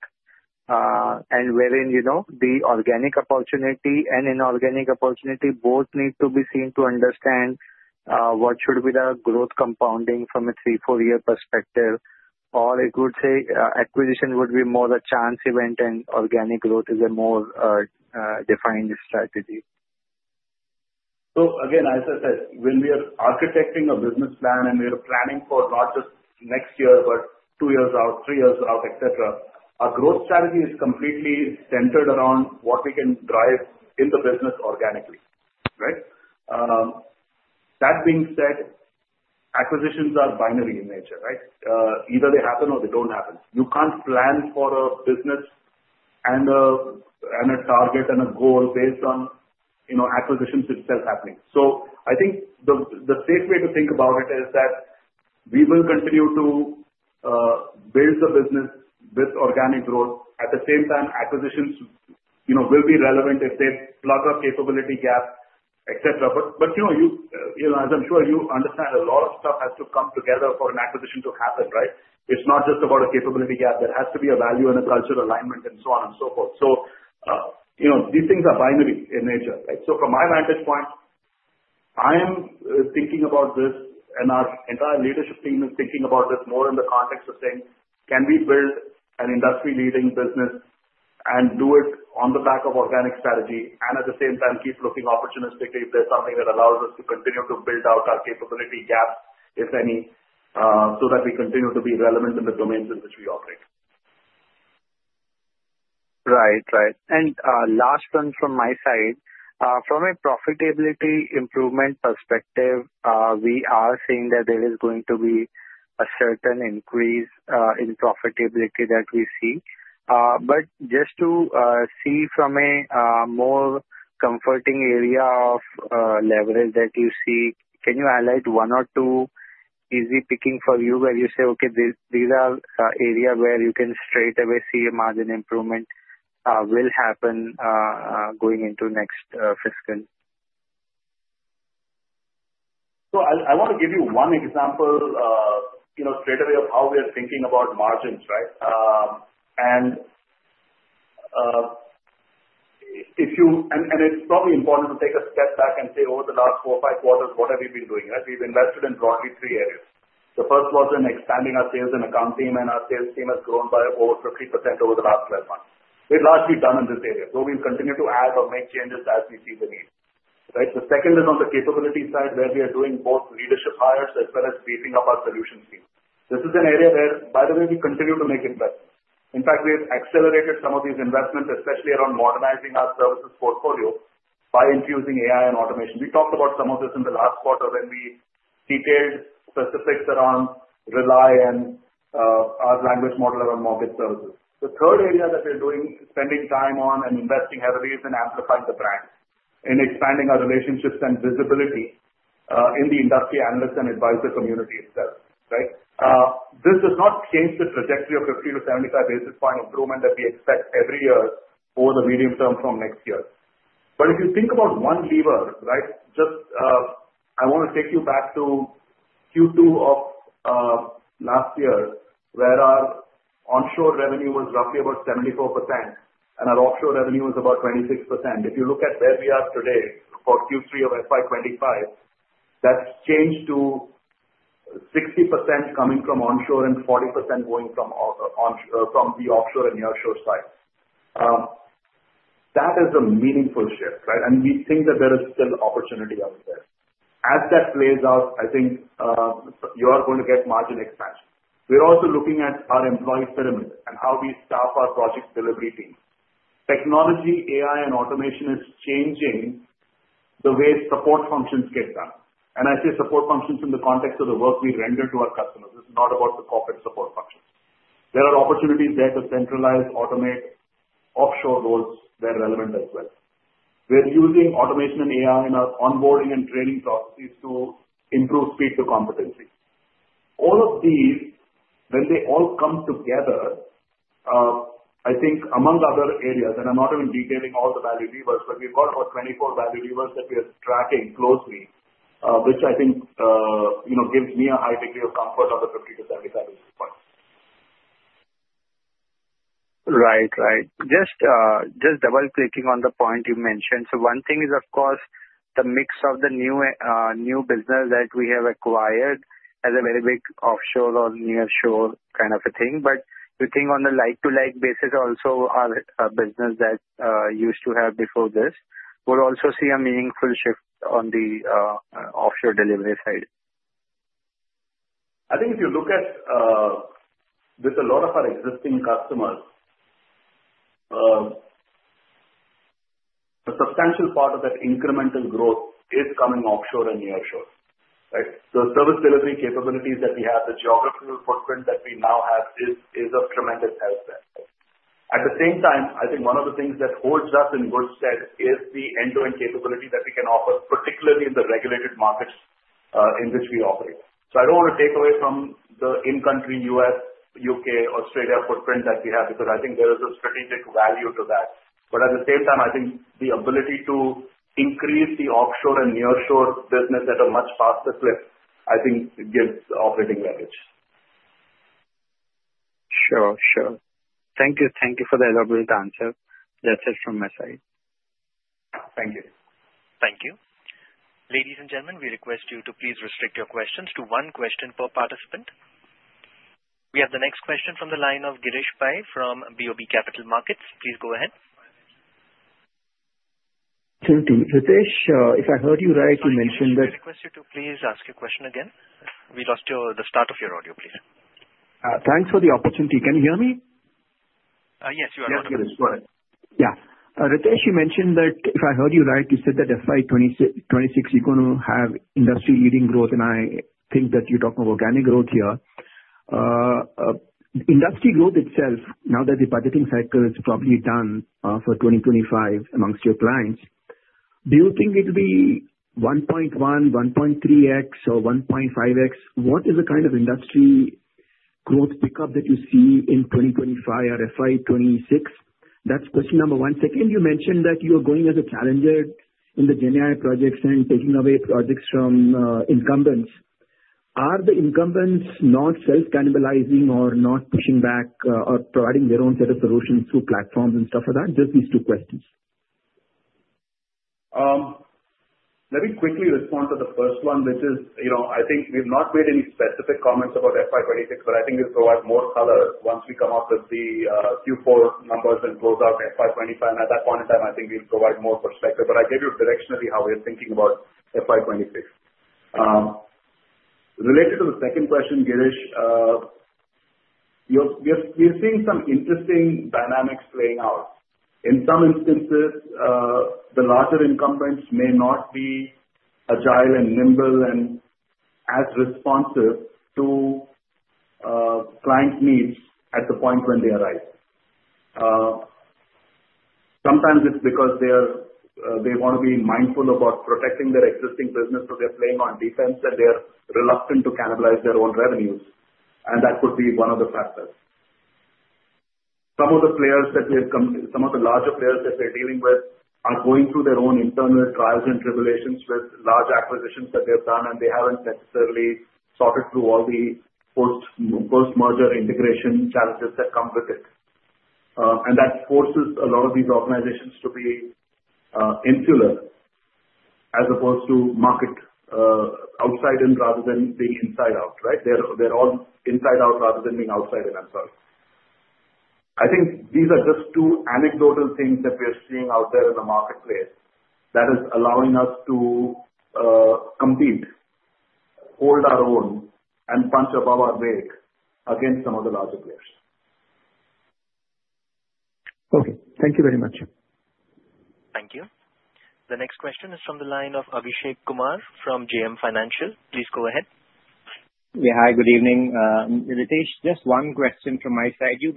and wherein the organic opportunity and inorganic opportunity both need to be seen to understand what should be the growth compounding from a three- to four-year perspective? Or it would say acquisition would be more a chance event and organic growth is a more defined strategy? So again, as I said, when we are architecting a business plan and we are planning for not just next year but two years out, three years out, etc., our growth strategy is completely centered around what we can drive in the business organically, right? That being said, acquisitions are binary in nature, right? Either they happen or they don't happen. You can't plan for a business and a target and a goal based on acquisitions itself happening. So I think the safe way to think about it is that we will continue to build the business with organic growth. At the same time, acquisitions will be relevant if they plug a capability gap, etc. But as I'm sure you understand, a lot of stuff has to come together for an acquisition to happen, right? It's not just about a capability gap. There has to be a value and a cultural alignment and so on and so forth. So these things are binary in nature, right? So from my vantage point, I am thinking about this, and our entire leadership team is thinking about this more in the context of saying, "Can we build an industry-leading business and do it on the back of organic strategy and at the same time keep looking opportunistically if there's something that allows us to continue to build out our capability gaps, if any, so that we continue to be relevant in the domains in which we operate? Right. Right. And last one from my side. From a profitability improvement perspective, we are seeing that there is going to be a certain increase in profitability that we see. But just to see from a more comforting area of leverage that you see, can you highlight one or two easy picking for you where you say, "Okay, these are areas where you can straight away see a margin improvement will happen going into next fiscal? So I want to give you one example straight away of how we are thinking about margins, right? And it's probably important to take a step back and say, "Over the last four or five quarters, what have we been doing?" Right? We've invested in broadly three areas. The first was in expanding our sales and account team, and our sales team has grown by over 50% over the last 12 months. We've largely done in this area. So we'll continue to add or make changes as we see the need, right? The second is on the capability side where we are doing both leadership hires as well as beefing up our solution team. This is an area where, by the way, we continue to make investments. In fact, we have accelerated some of these investments, especially around modernizing our services portfolio by infusing AI and automation. We talked about some of this in the last quarter when we detailed specifics around Rely and our language model around market services. The third area that we're doing spending time on and investing heavily is in amplifying the brand, in expanding our relationships and visibility in the industry analysts and advisor community itself, right? This does not change the trajectory of 50-75 basis points improvement that we expect every year over the medium term from next year, but if you think about one lever, right, just I want to take you back to Q2 of last year where our onshore revenue was roughly about 74% and our offshore revenue was about 26%. If you look at where we are today for Q3 of FY25, that's changed to 60% coming from onshore and 40% going from the offshore and nearshore side. That is a meaningful shift, right? We think that there is still opportunity out there. As that plays out, I think you are going to get margin expansion. We're also looking at our employee pyramid and how we staff our project delivery team. Technology, AI, and automation is changing the way support functions get done. And I say support functions in the context of the work we render to our customers. This is not about the corporate support functions. There are opportunities there to centralize, automate offshore roles where relevant as well. We're using automation and AI in our onboarding and training processes to improve speed to competency. All of these, when they all come together, I think among other areas, and I'm not even detailing all the value levers, but we've got about 24 value levers that we are tracking closely, which I think gives me a high degree of comfort on the 50-75 basis points. Right. Right. Just double-clicking on the point you mentioned. So one thing is, of course, the mix of the new business that we have acquired as a very big offshore or nearshore kind of a thing. But we think on the like-for-like basis also our business that used to have before this, we'll also see a meaningful shift on the offshore delivery side. I think if you look at with a lot of our existing customers, a substantial part of that incremental growth is coming offshore and nearshore, right? The service delivery capabilities that we have, the geographical footprint that we now have is of tremendous help there. At the same time, I think one of the things that holds us in good stead is the end-to-end capability that we can offer, particularly in the regulated markets in which we operate. So I don't want to take away from the in-country U.S., U.K., Australia footprint that we have because I think there is a strategic value to that. But at the same time, I think the ability to increase the offshore and nearshore business at a much faster clip, I think gives the operating leverage. Sure. Sure. Thank you. Thank you for the elaborate answer. That's it from my side. Thank you. Thank you. Ladies and gentlemen, we request you to please restrict your questions to one question per participant. We have the next question from the line of Girish Pai from BOB Capital Markets. Please go ahead. Thank you. Ritesh, if I heard you right, you mentioned that. I request you to please ask your question again. We lost the start of your audio, please. Thanks for the opportunity. Can you hear me? Yes, you are on. Yeah. Ritesh, you mentioned that if I heard you right, you said that FY26, you're going to have industry-leading growth, and I think that you're talking about organic growth here. Industry growth itself, now that the budgeting cycle is probably done for 2025 amongst your clients, do you think it will be 1.1x, 1.3x, or 1.5x? What is the kind of industry growth pickup that you see in 2025 or FY26? That's question number one. Second, you mentioned that you are going as a challenger in the GenAI projects and taking away projects from incumbents. Are the incumbents not self-cannibalizing or not pushing back or providing their own set of solutions through platforms and stuff like that? Just these two questions. Let me quickly respond to the first one, which is I think we've not made any specific comments about FY26, but I think it'll provide more color once we come up with the Q4 numbers and close out FY25. And at that point in time, I think we'll provide more perspective. But I gave you directionally how we're thinking about FY26. Related to the second question, Girish, we're seeing some interesting dynamics playing out. In some instances, the larger incumbents may not be agile and nimble and as responsive to client needs at the point when they arrive. Sometimes it's because they want to be mindful about protecting their existing business, so they're playing on defense and they're reluctant to cannibalize their own revenues. And that could be one of the factors. Some of the larger players that we're dealing with are going through their own internal trials and tribulations with large acquisitions that they've done, and they haven't necessarily sorted through all the post-merger integration challenges that come with it. And that forces a lot of these organizations to be insular as opposed to market outside in rather than being inside out, right? They're all inside out rather than being outside in, I'm sorry. I think these are just two anecdotal things that we are seeing out there in the marketplace that is allowing us to compete, hold our own, and punch above our weight against some of the larger players. Okay. Thank you very much. Thank you. The next question is from the line of Abhishek Kumar from JM Financial. Please go ahead. Yeah. Hi, good evening. Ritesh, just one question from my side. You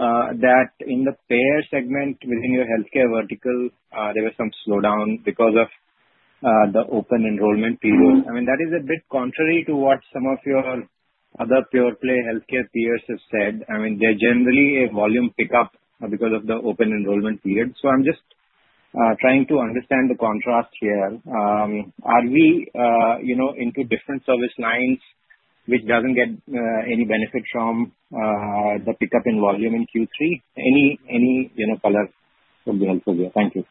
mentioned that in the payer segment within your Healthcare vertical, there was some slowdown because of the open enrollment period. I mean, that is a bit contrary to what some of your other pure-play Healthcare peers have said. I mean, there's generally a volume pickup because of the open enrollment period. So I'm just trying to understand the contrast here. Are we into different service lines which don't get any benefit from the pickup in volume in Q3? Any color would be helpful here. Thank you.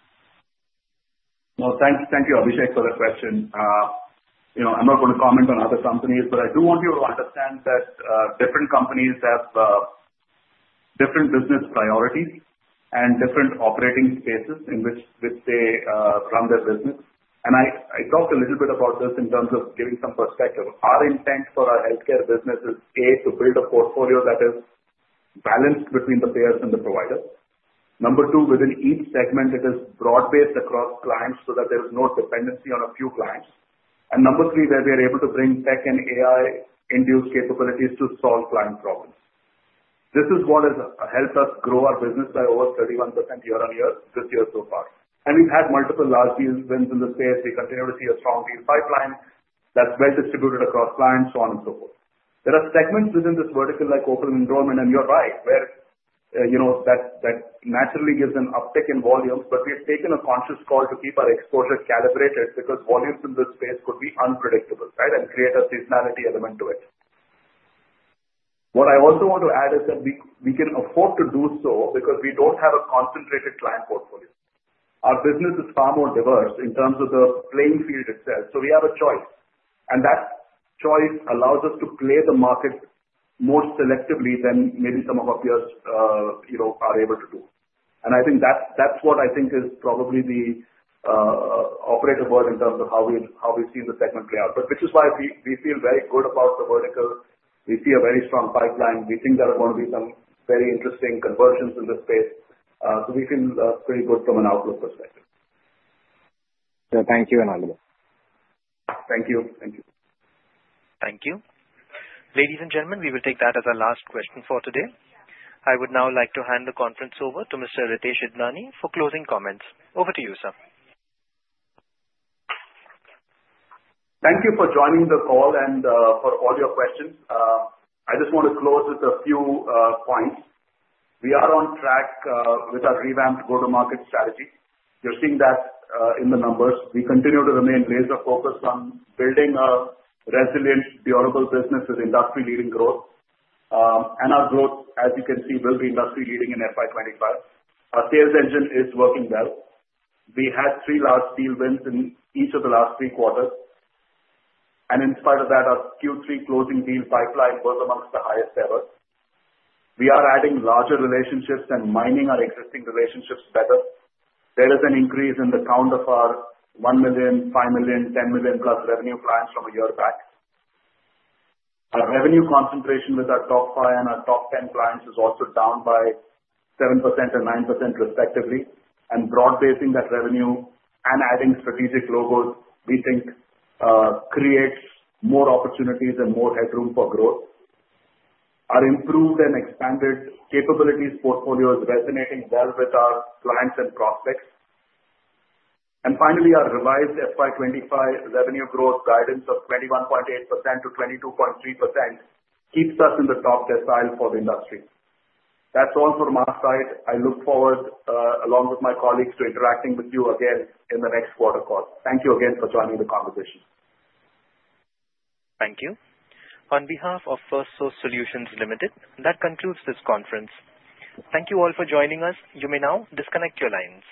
No, thank you, Abhishek, for the question. I'm not going to comment on other companies, but I do want you to understand that different companies have different business priorities and different operating spaces in which they run their business. And I talked a little bit about this in terms of giving some perspective. Our intent for our healthcare business is, A, to build a portfolio that is balanced between the payers and the providers. Number two, within each segment, it is broad-based across clients so that there is no dependency on a few clients. And number three, that we are able to bring tech and AI-induced capabilities to solve client problems. This is what has helped us grow our business by over 31% year-on-year this year so far. And we've had multiple large deals within the space. We continue to see a strong deal pipeline that's well distributed across clients, so on and so forth. There are segments within this vertical like Open Enrollment, and you're right, where that naturally gives an uptick in volume. But we have taken a conscious call to keep our exposure calibrated because volumes in this space could be unpredictable, right, and create a seasonality element to it. What I also want to add is that we can afford to do so because we don't have a concentrated client portfolio. Our business is far more diverse in terms of the playing field itself. So we have a choice. And that choice allows us to play the market more selectively than maybe some of our peers are able to do. And I think that's what I think is probably the operative word in terms of how we've seen the segment play out, which is why we feel very good about the vertical. We see a very strong pipeline. We think there are going to be some very interesting conversions in this space. So we feel pretty good from an outlook perspective. So thank you. Thank you. Thank you. Thank you. Ladies and gentlemen, we will take that as our last question for today. I would now like to hand the conference over to Mr. Ritesh Idnani for closing comments. Over to you, sir. Thank you for joining the call and for all your questions. I just want to close with a few points. We are on track with our revamped go-to-market strategy. You're seeing that in the numbers. We continue to remain laser-focused on building a resilient, durable business with industry-leading growth, and our growth, as you can see, will be industry-leading in FY25. Our sales engine is working well. We had three large deal wins in each of the last three quarters, and in spite of that, our Q3 closing deal pipeline was among the highest ever. We are adding larger relationships and mining our existing relationships better. There is an increase in the count of our 1 million, 5 million, 10 million-plus revenue clients from a year back. Our revenue concentration with our top 5 and our top 10 clients is also down by 7% and 9%, respectively. And broad-basing that revenue and adding strategic logos, we think, creates more opportunities and more headroom for growth. Our improved and expanded capabilities portfolio is resonating well with our clients and prospects. And finally, our revised FY25 revenue growth guidance of 21.8%-22.3% keeps us in the top decile for the industry. That's all for my side. I look forward, along with my colleagues, to interacting with you again in the next quarter call. Thank you again for joining the conversation. Thank you. On behalf of Firstsource Solutions Limited, that concludes this conference. Thank you all for joining us. You may now disconnect your lines.